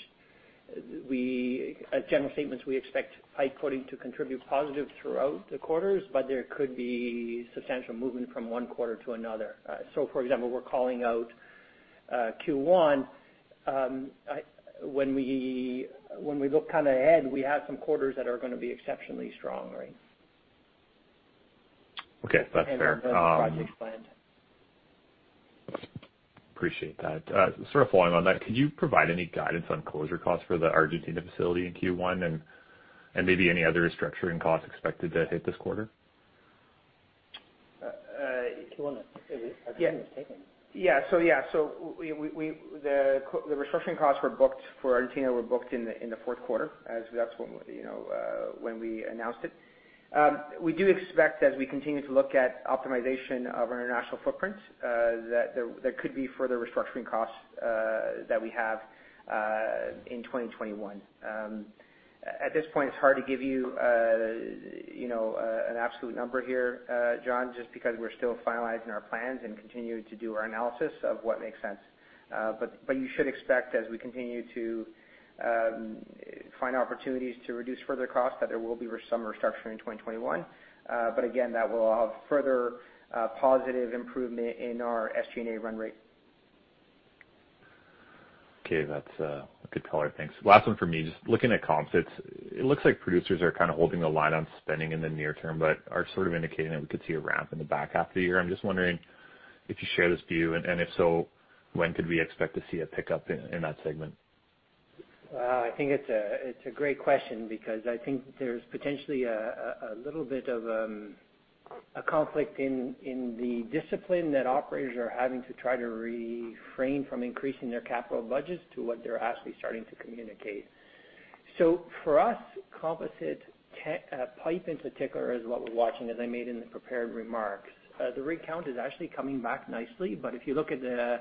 as general statements, we expect pipe coating to contribute positive throughout the quarters, but there could be substantial movement from one quarter to another. So for example, we're calling out Q1. When we look kind of ahead, we have some quarters that are going to be exceptionally strong, right? Okay. That's fair. And those projects planned. Appreciate that. Sort of following on that, could you provide any guidance on closure costs for the Argentina facility in Q1 and maybe any other restructuring costs expected to hit this quarter? Q1, I think it was taken. Yeah. So yeah, so the restructuring costs were booked for Argentina, were booked in the fourth quarter as that's when we announced it. We do expect as we continue to look at optimization of our national footprint that there could be further restructuring costs that we have in 2021. At this point, it's hard to give you an absolute number here, John, just because we're still finalizing our plans and continue to do our analysis of what makes sense. But you should expect as we continue to find opportunities to reduce further costs that there will be some restructuring in 2021, but again, that will have further positive improvement in our SG&A run rate. Okay. That's a good color. Thanks. Last one for me. Just looking at composites, it looks like producers are kind of holding the line on spending in the near term, but are sort of indicating that we could see a ramp in the back half of the year. I'm just wondering if you share this view, and if so, when could we expect to see a pickup in that segment? I think it's a great question because I think there's potentially a little bit of a conflict in the discipline that operators are having to try to refrain from increasing their capital budgets to what they're actually starting to communicate. So for us, Composite pipe in particular is what we're watching, as I made in the prepared remarks. The rig count is actually coming back nicely, but if you look at the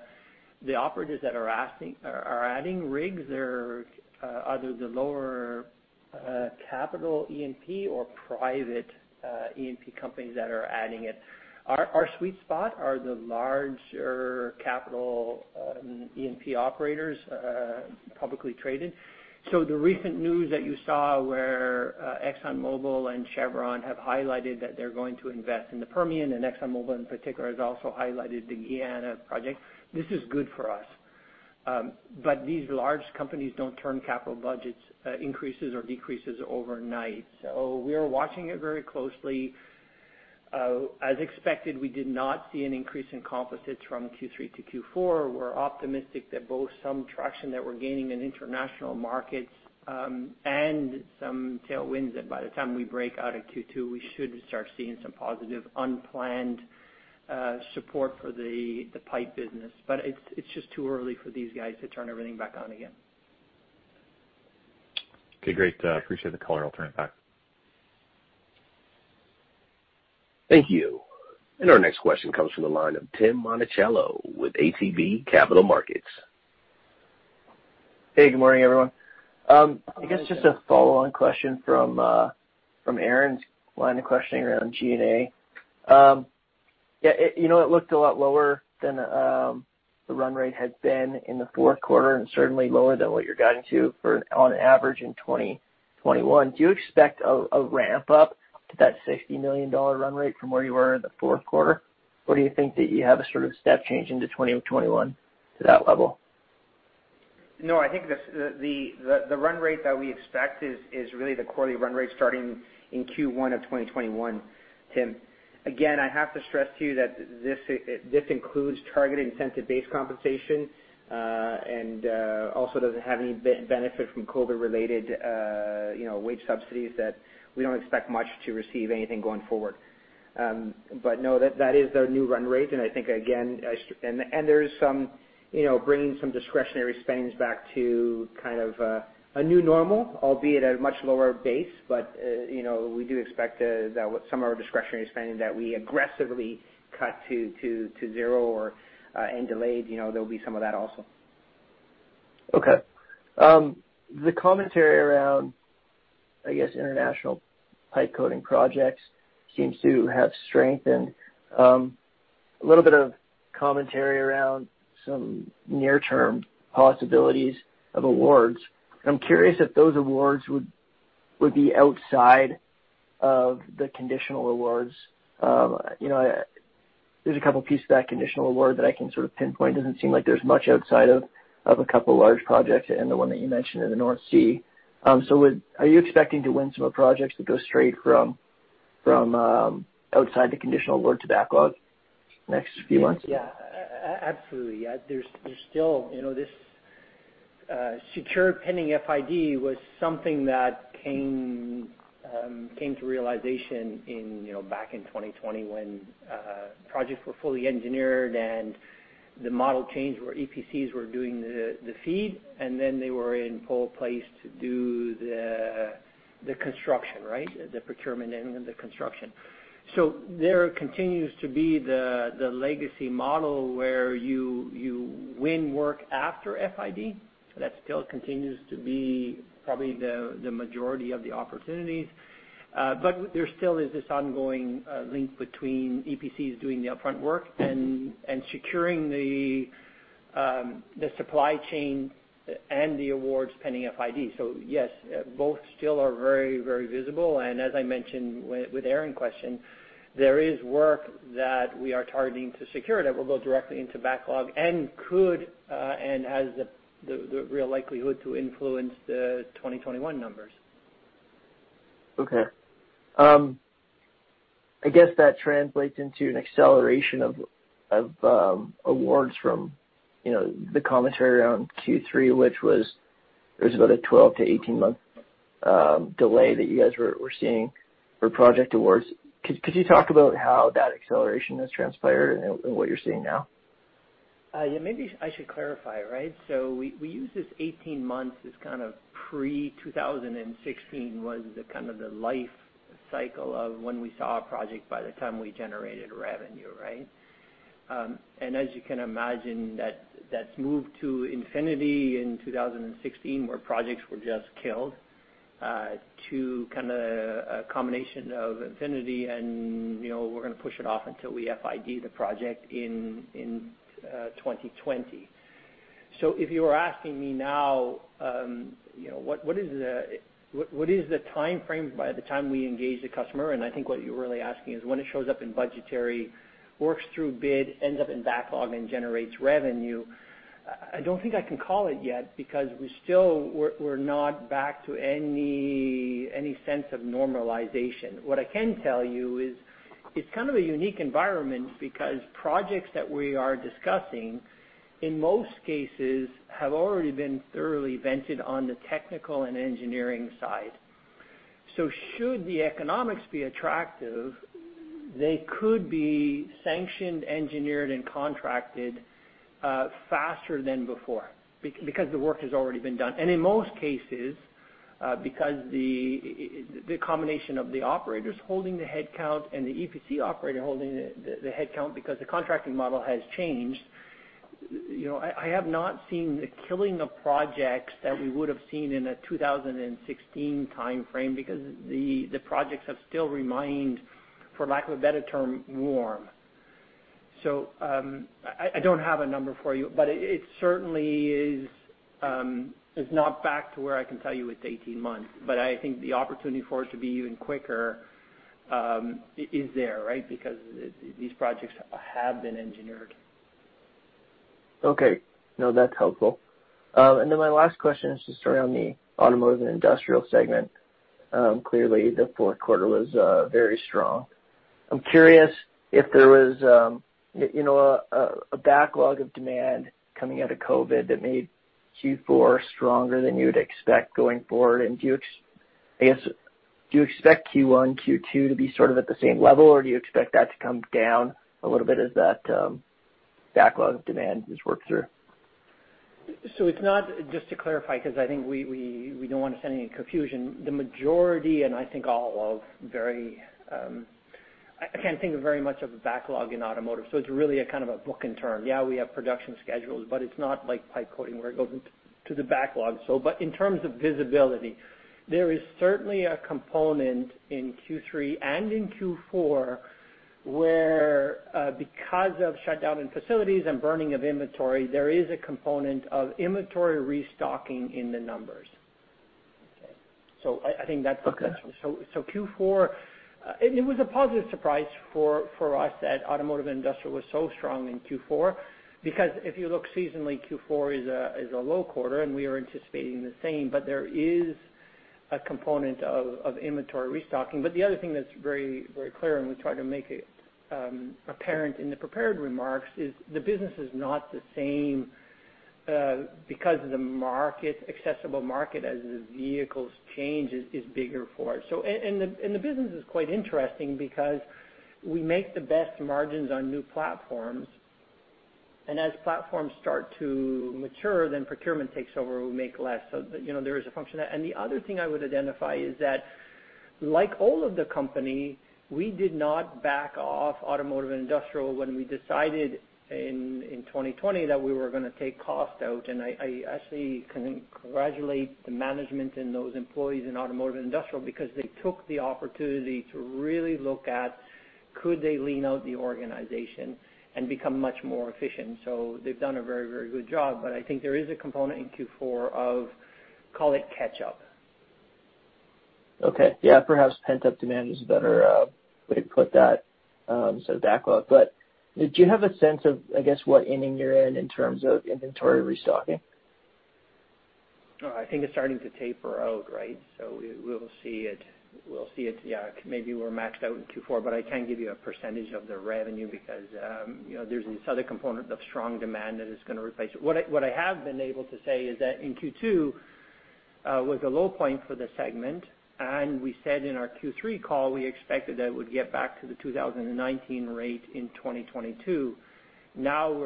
operators that are adding rigs, they're either the lower capital E&P or private E&P companies that are adding it. Our sweet spot are the larger capital E&P operators publicly traded. So the recent news that you saw where ExxonMobil and Chevron have highlighted that they're going to invest in the Permian, and ExxonMobil in particular has also highlighted the Guyana project, this is good for us. But these large companies don't turn capital budgets increases or decreases overnight. So we are watching it very closely. As expected, we did not see an increase in composites from Q3 to Q4. We're optimistic that both some traction that we're gaining in international markets and some tailwinds that by the time we break out of Q2, we should start seeing some positive unplanned support for the pipe business. But it's just too early for these guys to turn everything back on again. Okay. Great. Appreciate the color. I'll turn it back. Thank you. Our next question comes from the line of Tim Monachello with ATB Capital Markets. Hey. Good morning, everyone. I guess just a follow-on question from Aaron's line of questioning around G&A. Yeah. It looked a lot lower than the run rate had been in the fourth quarter and certainly lower than what you're guiding to on average in 2021. Do you expect a ramp up to that $60 million run rate from where you were in the fourth quarter? Or do you think that you have a sort of step change into 2021 to that level? No. I think the run rate that we expect is really the quarterly run rate starting in Q1 of 2021, Tim. Again, I have to stress to you that this includes targeted incentive-based compensation and also doesn't have any benefit from COVID-related wage subsidies that we don't expect much to receive anything going forward. But no, that is their new run rate. And I think, again, and there's some bringing some discretionary spending back to kind of a new normal, albeit at a much lower base, but we do expect that some of our discretionary spending that we aggressively cut to zero or and delayed, there'll be some of that also. Okay. The commentary around, I guess, international pipe coating projects seems to have strengthened. A little bit of commentary around some near-term possibilities of awards. I'm curious if those awards would be outside of the conditional awards. There's a couple of pieces of that conditional award that I can sort of pinpoint. It doesn't seem like there's much outside of a couple of large projects and the one that you mentioned in the North Sea. So are you expecting to win some of the projects that go straight from outside the conditional award to backlog next few months? Yeah. Absolutely. There's still this secure pending FID was something that came to realization back in 2020 when projects were fully engineered and the model change where EPCs were doing the feed, and then they were in pole position to do the construction, right? The procurement and the construction. So there continues to be the legacy model where you win work after FID. That still continues to be probably the majority of the opportunities. But there still is this ongoing link between EPCs doing the upfront work and securing the supply chain and the awards pending FID. So yes, both still are very, very visible. And as I mentioned with Aaron's question, there is work that we are targeting to secure that will go directly into backlog and could and has the real likelihood to influence the 2021 numbers. Okay. I guess that translates into an acceleration of awards from the commentary around Q3, which was there was about a 12-18-month delay that you guys were seeing for project awards. Could you talk about how that acceleration has transpired and what you're seeing now? Yeah. Maybe I should clarify, right? So we use this 18 months as kind of pre-2016 was kind of the life cycle of when we saw a project by the time we generated revenue, right? As you can imagine, that's moved to infinity in 2016 where projects were just killed to kind of a combination of infinity and we're going to push it off until we FID the project in 2020. If you were asking me now, what is the timeframe by the time we engage the customer? And I think what you're really asking is when it shows up in budgetary, works through bid, ends up in backlog, and generates revenue. I don't think I can call it yet because we're not back to any sense of normalization. What I can tell you is it's kind of a unique environment because projects that we are discussing, in most cases, have already been thoroughly vetted on the technical and engineering side. So should the economics be attractive, they could be sanctioned, engineered, and contracted faster than before because the work has already been done. And in most cases, because the combination of the operators holding the headcount and the EPC operator holding the headcount because the contracting model has changed, I have not seen the killing of projects that we would have seen in a 2016 timeframe because the projects have still remained, for lack of a better term, warm. So I don't have a number for you, but it certainly is not back to where I can tell you it's 18 months. But I think the opportunity for it to be even quicker is there, right, because these projects have been engineered. Okay. No, that's helpful. And then my last question is just around the Automotive and Industrial segment. Clearly, the fourth quarter was very strong. I'm curious if there was a backlog of demand coming out of COVID that made Q4 stronger than you would expect going forward. And I guess, do you expect Q1, Q2 to be sort of at the same level, or do you expect that to come down a little bit as that backlog of demand is worked through? So it's not just to clarify because I think we don't want to send any confusion. The majority, and I think all of very, I can't think of very much of a backlog in automotive. So it's really a kind of a book and turn. Yeah, we have production schedules, but it's not like pipe coating where it goes into the backlog. But in terms of visibility, there is certainly a component in Q3 and in Q4 where because of shutdown in facilities and burning of inventory, there is a component of inventory restocking in the numbers. Okay. So I think that's the question. So Q4, and it was a positive surprise for us that Automotive and Industrial was so strong in Q4 because if you look seasonally, Q4 is a low quarter, and we are anticipating the same, but there is a component of inventory restocking. But the other thing that's very clear, and we try to make it apparent in the prepared remarks, is the business is not the same because of the accessible market as the vehicles change is bigger for it. And the business is quite interesting because we make the best margins on new platforms. As platforms start to mature, then procurement takes over, and we make less. So there is a function of that. The other thing I would identify is that, like all of the company, we did not back off Automotive and Industrial when we decided in 2020 that we were going to take cost out. And I actually congratulate the management and those employees in Automotive and Industrial because they took the opportunity to really look at, could they lean out the organization and become much more efficient? So they've done a very, very good job. But I think there is a component in Q4 of, call it catch-up. Okay. Yeah. Perhaps pent-up demand is a better way to put that instead of backlog. But do you have a sense of, I guess, what ending you're in in terms of inventory restocking? I think it's starting to taper out, right? So we'll see it. We'll see it. Yeah. Maybe we're maxed out in Q4, but I can't give you a percentage of the revenue because there's this other component of strong demand that is going to replace it. What I have been able to say is that in Q2 was a low point for the segment, and we said in our Q3 call, we expected that it would get back to the 2019 rate in 2022. Now we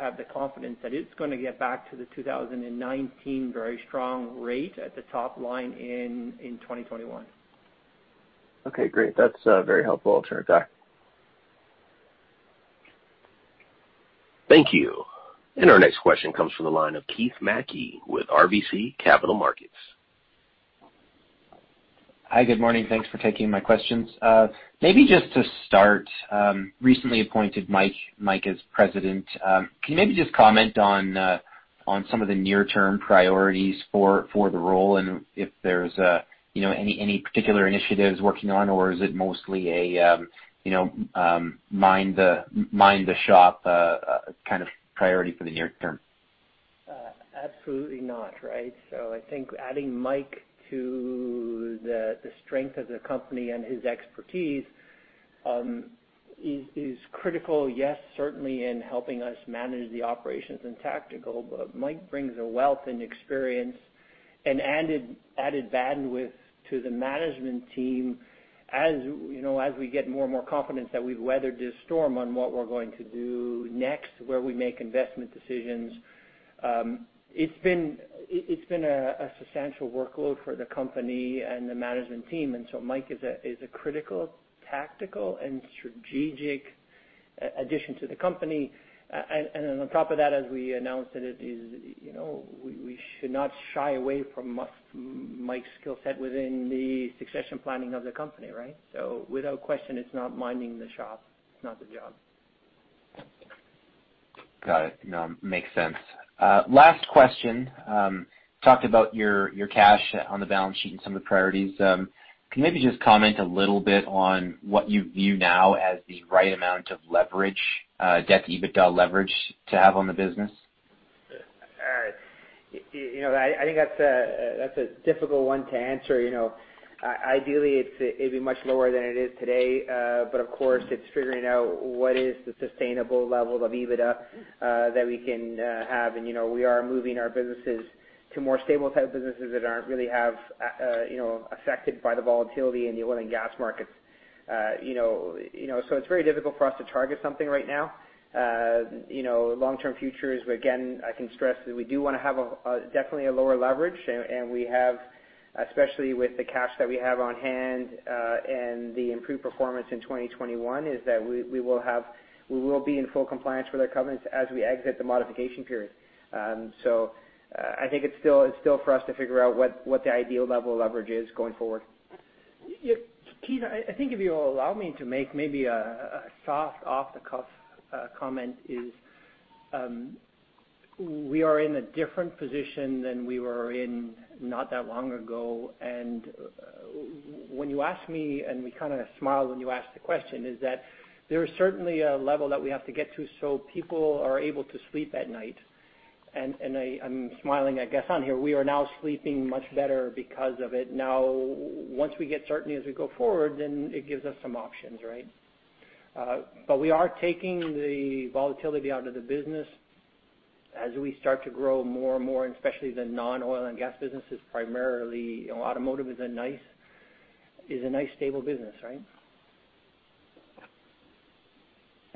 have the confidence that it's going to get back to the 2019 very strong rate at the top line in 2021. Okay. Great. That's a very helpful alternative fact. Thank you. And our next question comes from the line of Keith Mackey with RBC Capital Markets. Hi. Good morning. Thanks for taking my questions. Maybe just to start, recently appointed Mike as president, can you maybe just comment on some of the near-term priorities for the role and if there's any particular initiatives working on, or is it mostly a mind-the-shop kind of priority for the near term? Absolutely not, right? So I think adding Mike to the strength of the company and his expertise is critical, yes, certainly in helping us manage the operations and tactical, but Mike brings a wealth and experience and added bandwidth to the management team as we get more and more confidence that we've weathered this storm on what we're going to do next, where we make investment decisions. It's been a substantial workload for the company and the management team. And so Mike is a critical, tactical, and strategic addition to the company. And then on top of that, as we announced that we should not shy away from Mike's skill set within the succession planning of the company, right? So without question, it's not minding the shop. It's not the job. Got it. Makes sense. Last question. Talked about your cash on the balance sheet and some of the priorities. Can you maybe just comment a little bit on what you view now as the right amount of debt/EBITDA leverage to have on the business? I think that's a difficult one to answer. Ideally, it'd be much lower than it is today. But of course, it's figuring out what is the sustainable level of EBITDA that we can have. And we are moving our businesses to more stable-type businesses that aren't really affected by the volatility in the oil and gas markets. So it's very difficult for us to target something right now. Long-term futures, again, I can stress that we do want to have definitely a lower leverage. And we have, especially with the cash that we have on hand and the improved performance in 2021, is that we will be in full compliance with our covenants as we exit the modification period. So I think it's still for us to figure out what the ideal level of leverage is going forward. Keith, I think if you'll allow me to make maybe a soft, off-the-cuff comment, is we are in a different position than we were in not that long ago. And when you asked me, and we kind of smiled when you asked the question, is that there is certainly a level that we have to get to so people are able to sleep at night. I'm smiling, I guess, on here. We are now sleeping much better because of it. Now, once we get certainty as we go forward, then it gives us some options, right? But we are taking the volatility out of the business as we start to grow more and more, especially the non-oil and gas businesses, primarily automotive is a nice stable business, right?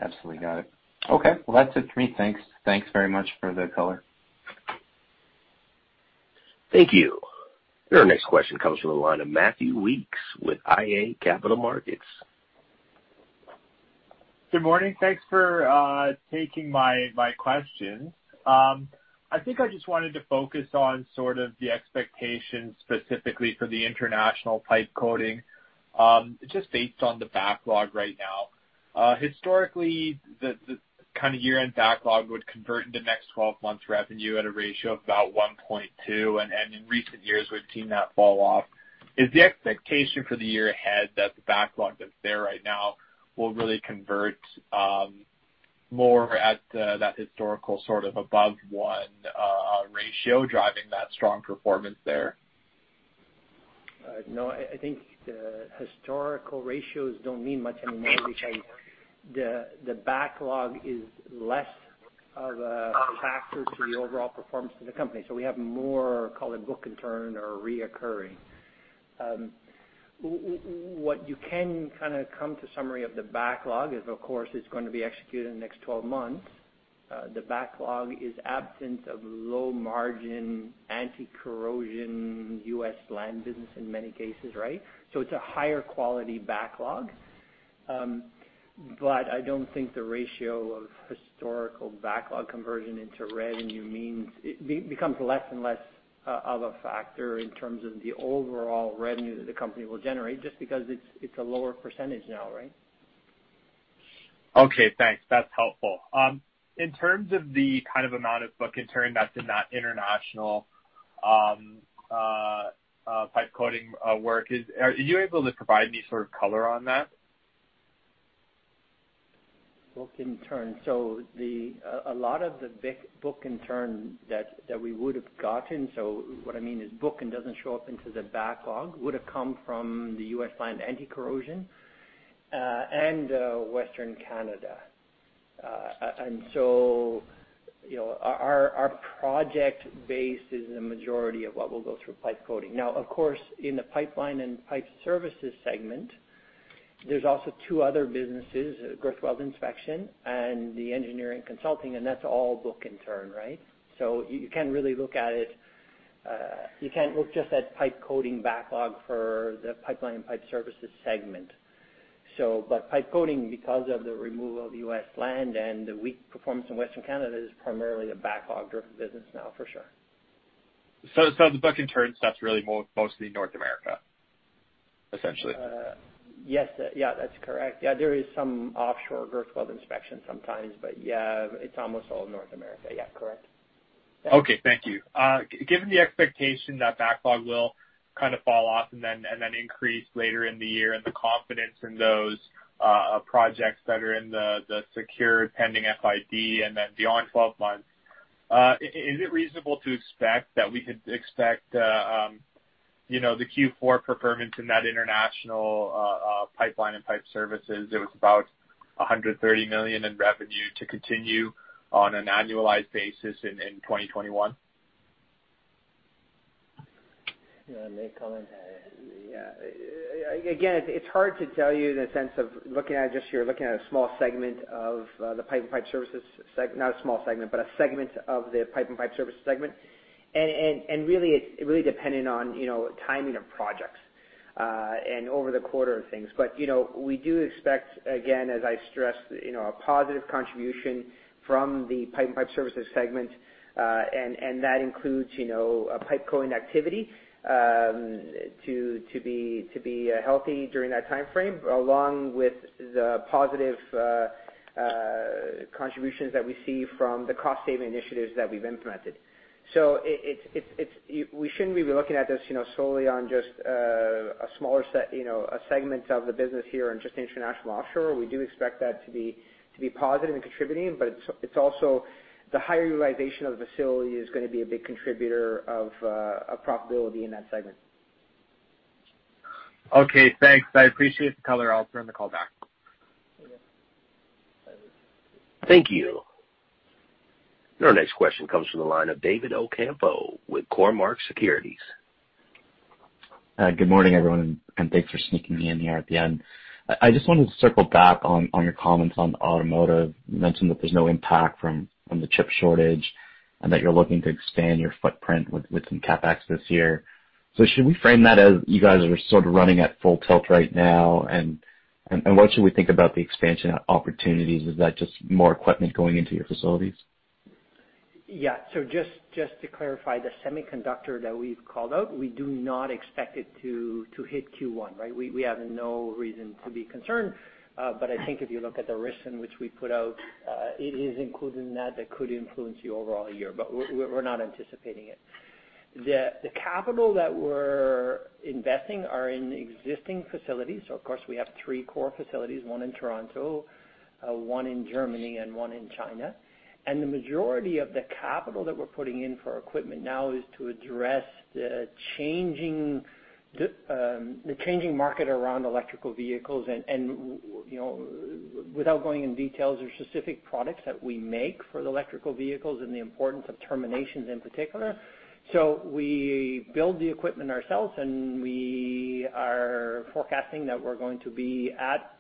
Absolutely. Got it. Okay. Well, that's it for me. Thanks. Thanks very much for the color. Thank you. Our next question comes from the line of Matthew Weeks with IA Capital Markets. Good morning. Thanks for taking my questions. I think I just wanted to focus on sort of the expectations specifically for the international pipe coating, just based on the backlog right now. Historically, the kind of year-end backlog would convert into next 12 months' revenue at a ratio of about 1.2. In recent years, we've seen that fall off. Is the expectation for the year ahead that the backlog that's there right now will really convert more at that historical sort of above 1 ratio driving that strong performance there? No, I think the historical ratios don't mean much anymore, which the backlog is less of a factor to the overall performance of the company. So we have more, call it book and turn or recurring. What you can kind of come to a summary of the backlog is, of course, it's going to be executed in the next 12 months. The backlog is absent of low-margin anti-corrosion U.S. land business in many cases, right? So it's a higher quality backlog. But I don't think the ratio of historical backlog conversion into revenue becomes less and less of a factor in terms of the overall revenue that the company will generate just because it's a lower percentage now, right? Okay. Thanks. That's helpful. In terms of the kind of amount of book and turn that's in that international pipe coating work, are you able to provide me sort of color on that? Book and turn. So a lot of the book and turn that we would have gotten—so what I mean is book and turn doesn't show up into the backlog—would have come from the U.S. land anti-corrosion and Western Canada. And so our project base is the majority of what will go through pipe coating. Now, of course, in the pipeline and pipe services segment, there's also two other businesses: Girth weld inspection and the engineering consulting. And that's all book and turn, right? So you can't really look at it - you can't look just at pipe coating backlog for the pipeline and pipe services segment. But pipe coating, because of the removal of U.S. land and the weak performance in Western Canada, is primarily a backlog-driven business now, for sure. So the book and turn, that's really mostly North America, essentially? Yes. Yeah, that's correct. Yeah. There is some offshore girth weld inspection sometimes, but yeah, it's almost all North America. Yeah. Correct. Okay. Thank you. Given the expectation that backlog will kind of fall off and then increase later in the year and the confidence in those projects that are in the secured pending FID and then beyond 12 months, is it reasonable to expect that we could expect the Q4 performance in that international pipeline and pipe services, it was about 130 million in revenue, to continue on an annualized basis in 2021? Yeah. Again, it's hard to tell you in the sense of looking at it just, you're looking at a small segment of the Pipeline and Pipe Services, not a small segment, but a segment of the Pipeline and Pipe Services segment. Really, it's really dependent on timing of projects and over-the-quarter things. We do expect, again, as I stressed, a positive contribution from the Pipeline and Pipe Services segment. And that includes pipe coating activity to be healthy during that timeframe, along with the positive contributions that we see from the cost-saving initiatives that we've implemented. So we shouldn't be looking at this solely on just a smaller segment of the business here and just international offshore. We do expect that to be positive and contributing. But it's also the higher utilization of the facility is going to be a big contributor of profitability in that segment. Okay. Thanks. I appreciate the color. I'll turn the call back. Thank you. And our next question comes from the line of David Ocampo with Cormark Securities. Good morning, everyone. And thanks for sneaking me in here at the end. I just wanted to circle back on your comments on automotive. You mentioned that there's no impact from the chip shortage and that you're looking to expand your footprint with some CapEx this year. So should we frame that as you guys are sort of running at full tilt right now? And what should we think about the expansion opportunities? Is that just more equipment going into your facilities? Yeah. So just to clarify, the semiconductor that we've called out, we do not expect it to hit Q1, right? We have no reason to be concerned. But I think if you look at the risk in which we put out, it is included in that that could influence the overall year. But we're not anticipating it. The capital that we're investing is in existing facilities. So of course, we have three core facilities, one in Toronto, one in Germany, and one in China. The majority of the capital that we're putting in for equipment now is to address the changing market around electric vehicles. Without going into details, there are specific products that we make for the electric vehicles and the importance of terminations in particular. We build the equipment ourselves, and we are forecasting that we're going to be at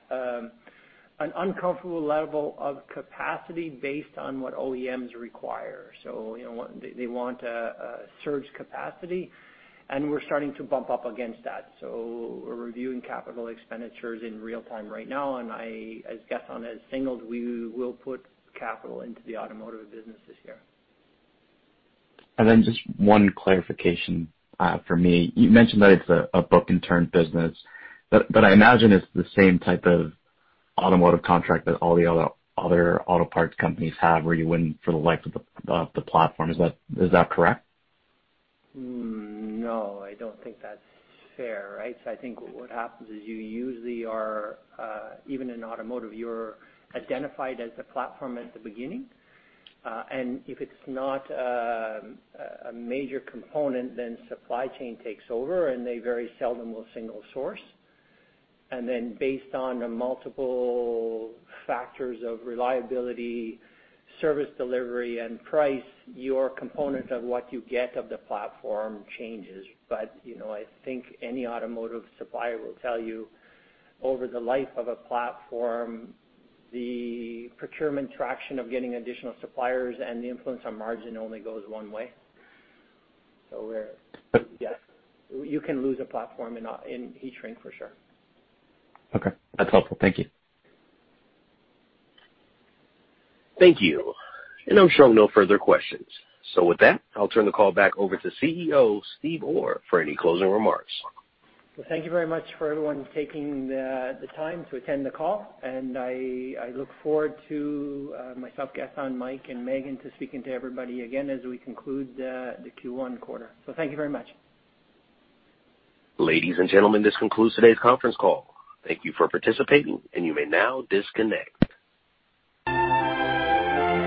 an uncomfortable level of capacity based on what OEMs require. They want a surge capacity, and we're starting to bump up against that. We're reviewing capital expenditures in real time right now. I guess on a single. We will put capital into the automotive business this year. Then just one clarification for me. You mentioned that it's a book and turn business, but I imagine it's the same type of automotive contract that all the other auto parts companies have where you win for the life of the platform. Is that correct? No, I don't think that's fair, right? So I think what happens is you usually are, even in automotive, you're identified as the platform at the beginning. And if it's not a major component, then supply chain takes over, and they very seldom will single source. And then based on multiple factors of reliability, service delivery, and price, your component of what you get of the platform changes. But I think any automotive supplier will tell you over the life of a platform, the procurement traction of getting additional suppliers and the influence on margin only goes one way. So yes, you can lose a platform in heat shrink for sure. Okay. That's helpful. Thank you. Thank you. And I'm sure no further questions. So with that, I'll turn the call back over to CEO Steve Orr for any closing remarks. Well, thank you very much for everyone taking the time to attend the call. And I look forward to myself, Gaston, Mike, and Megan speaking to everybody again as we conclude the Q1 quarter. So thank you very much. Ladies and gentlemen, this concludes today's conference call. Thank you for participating, and you may now disconnect.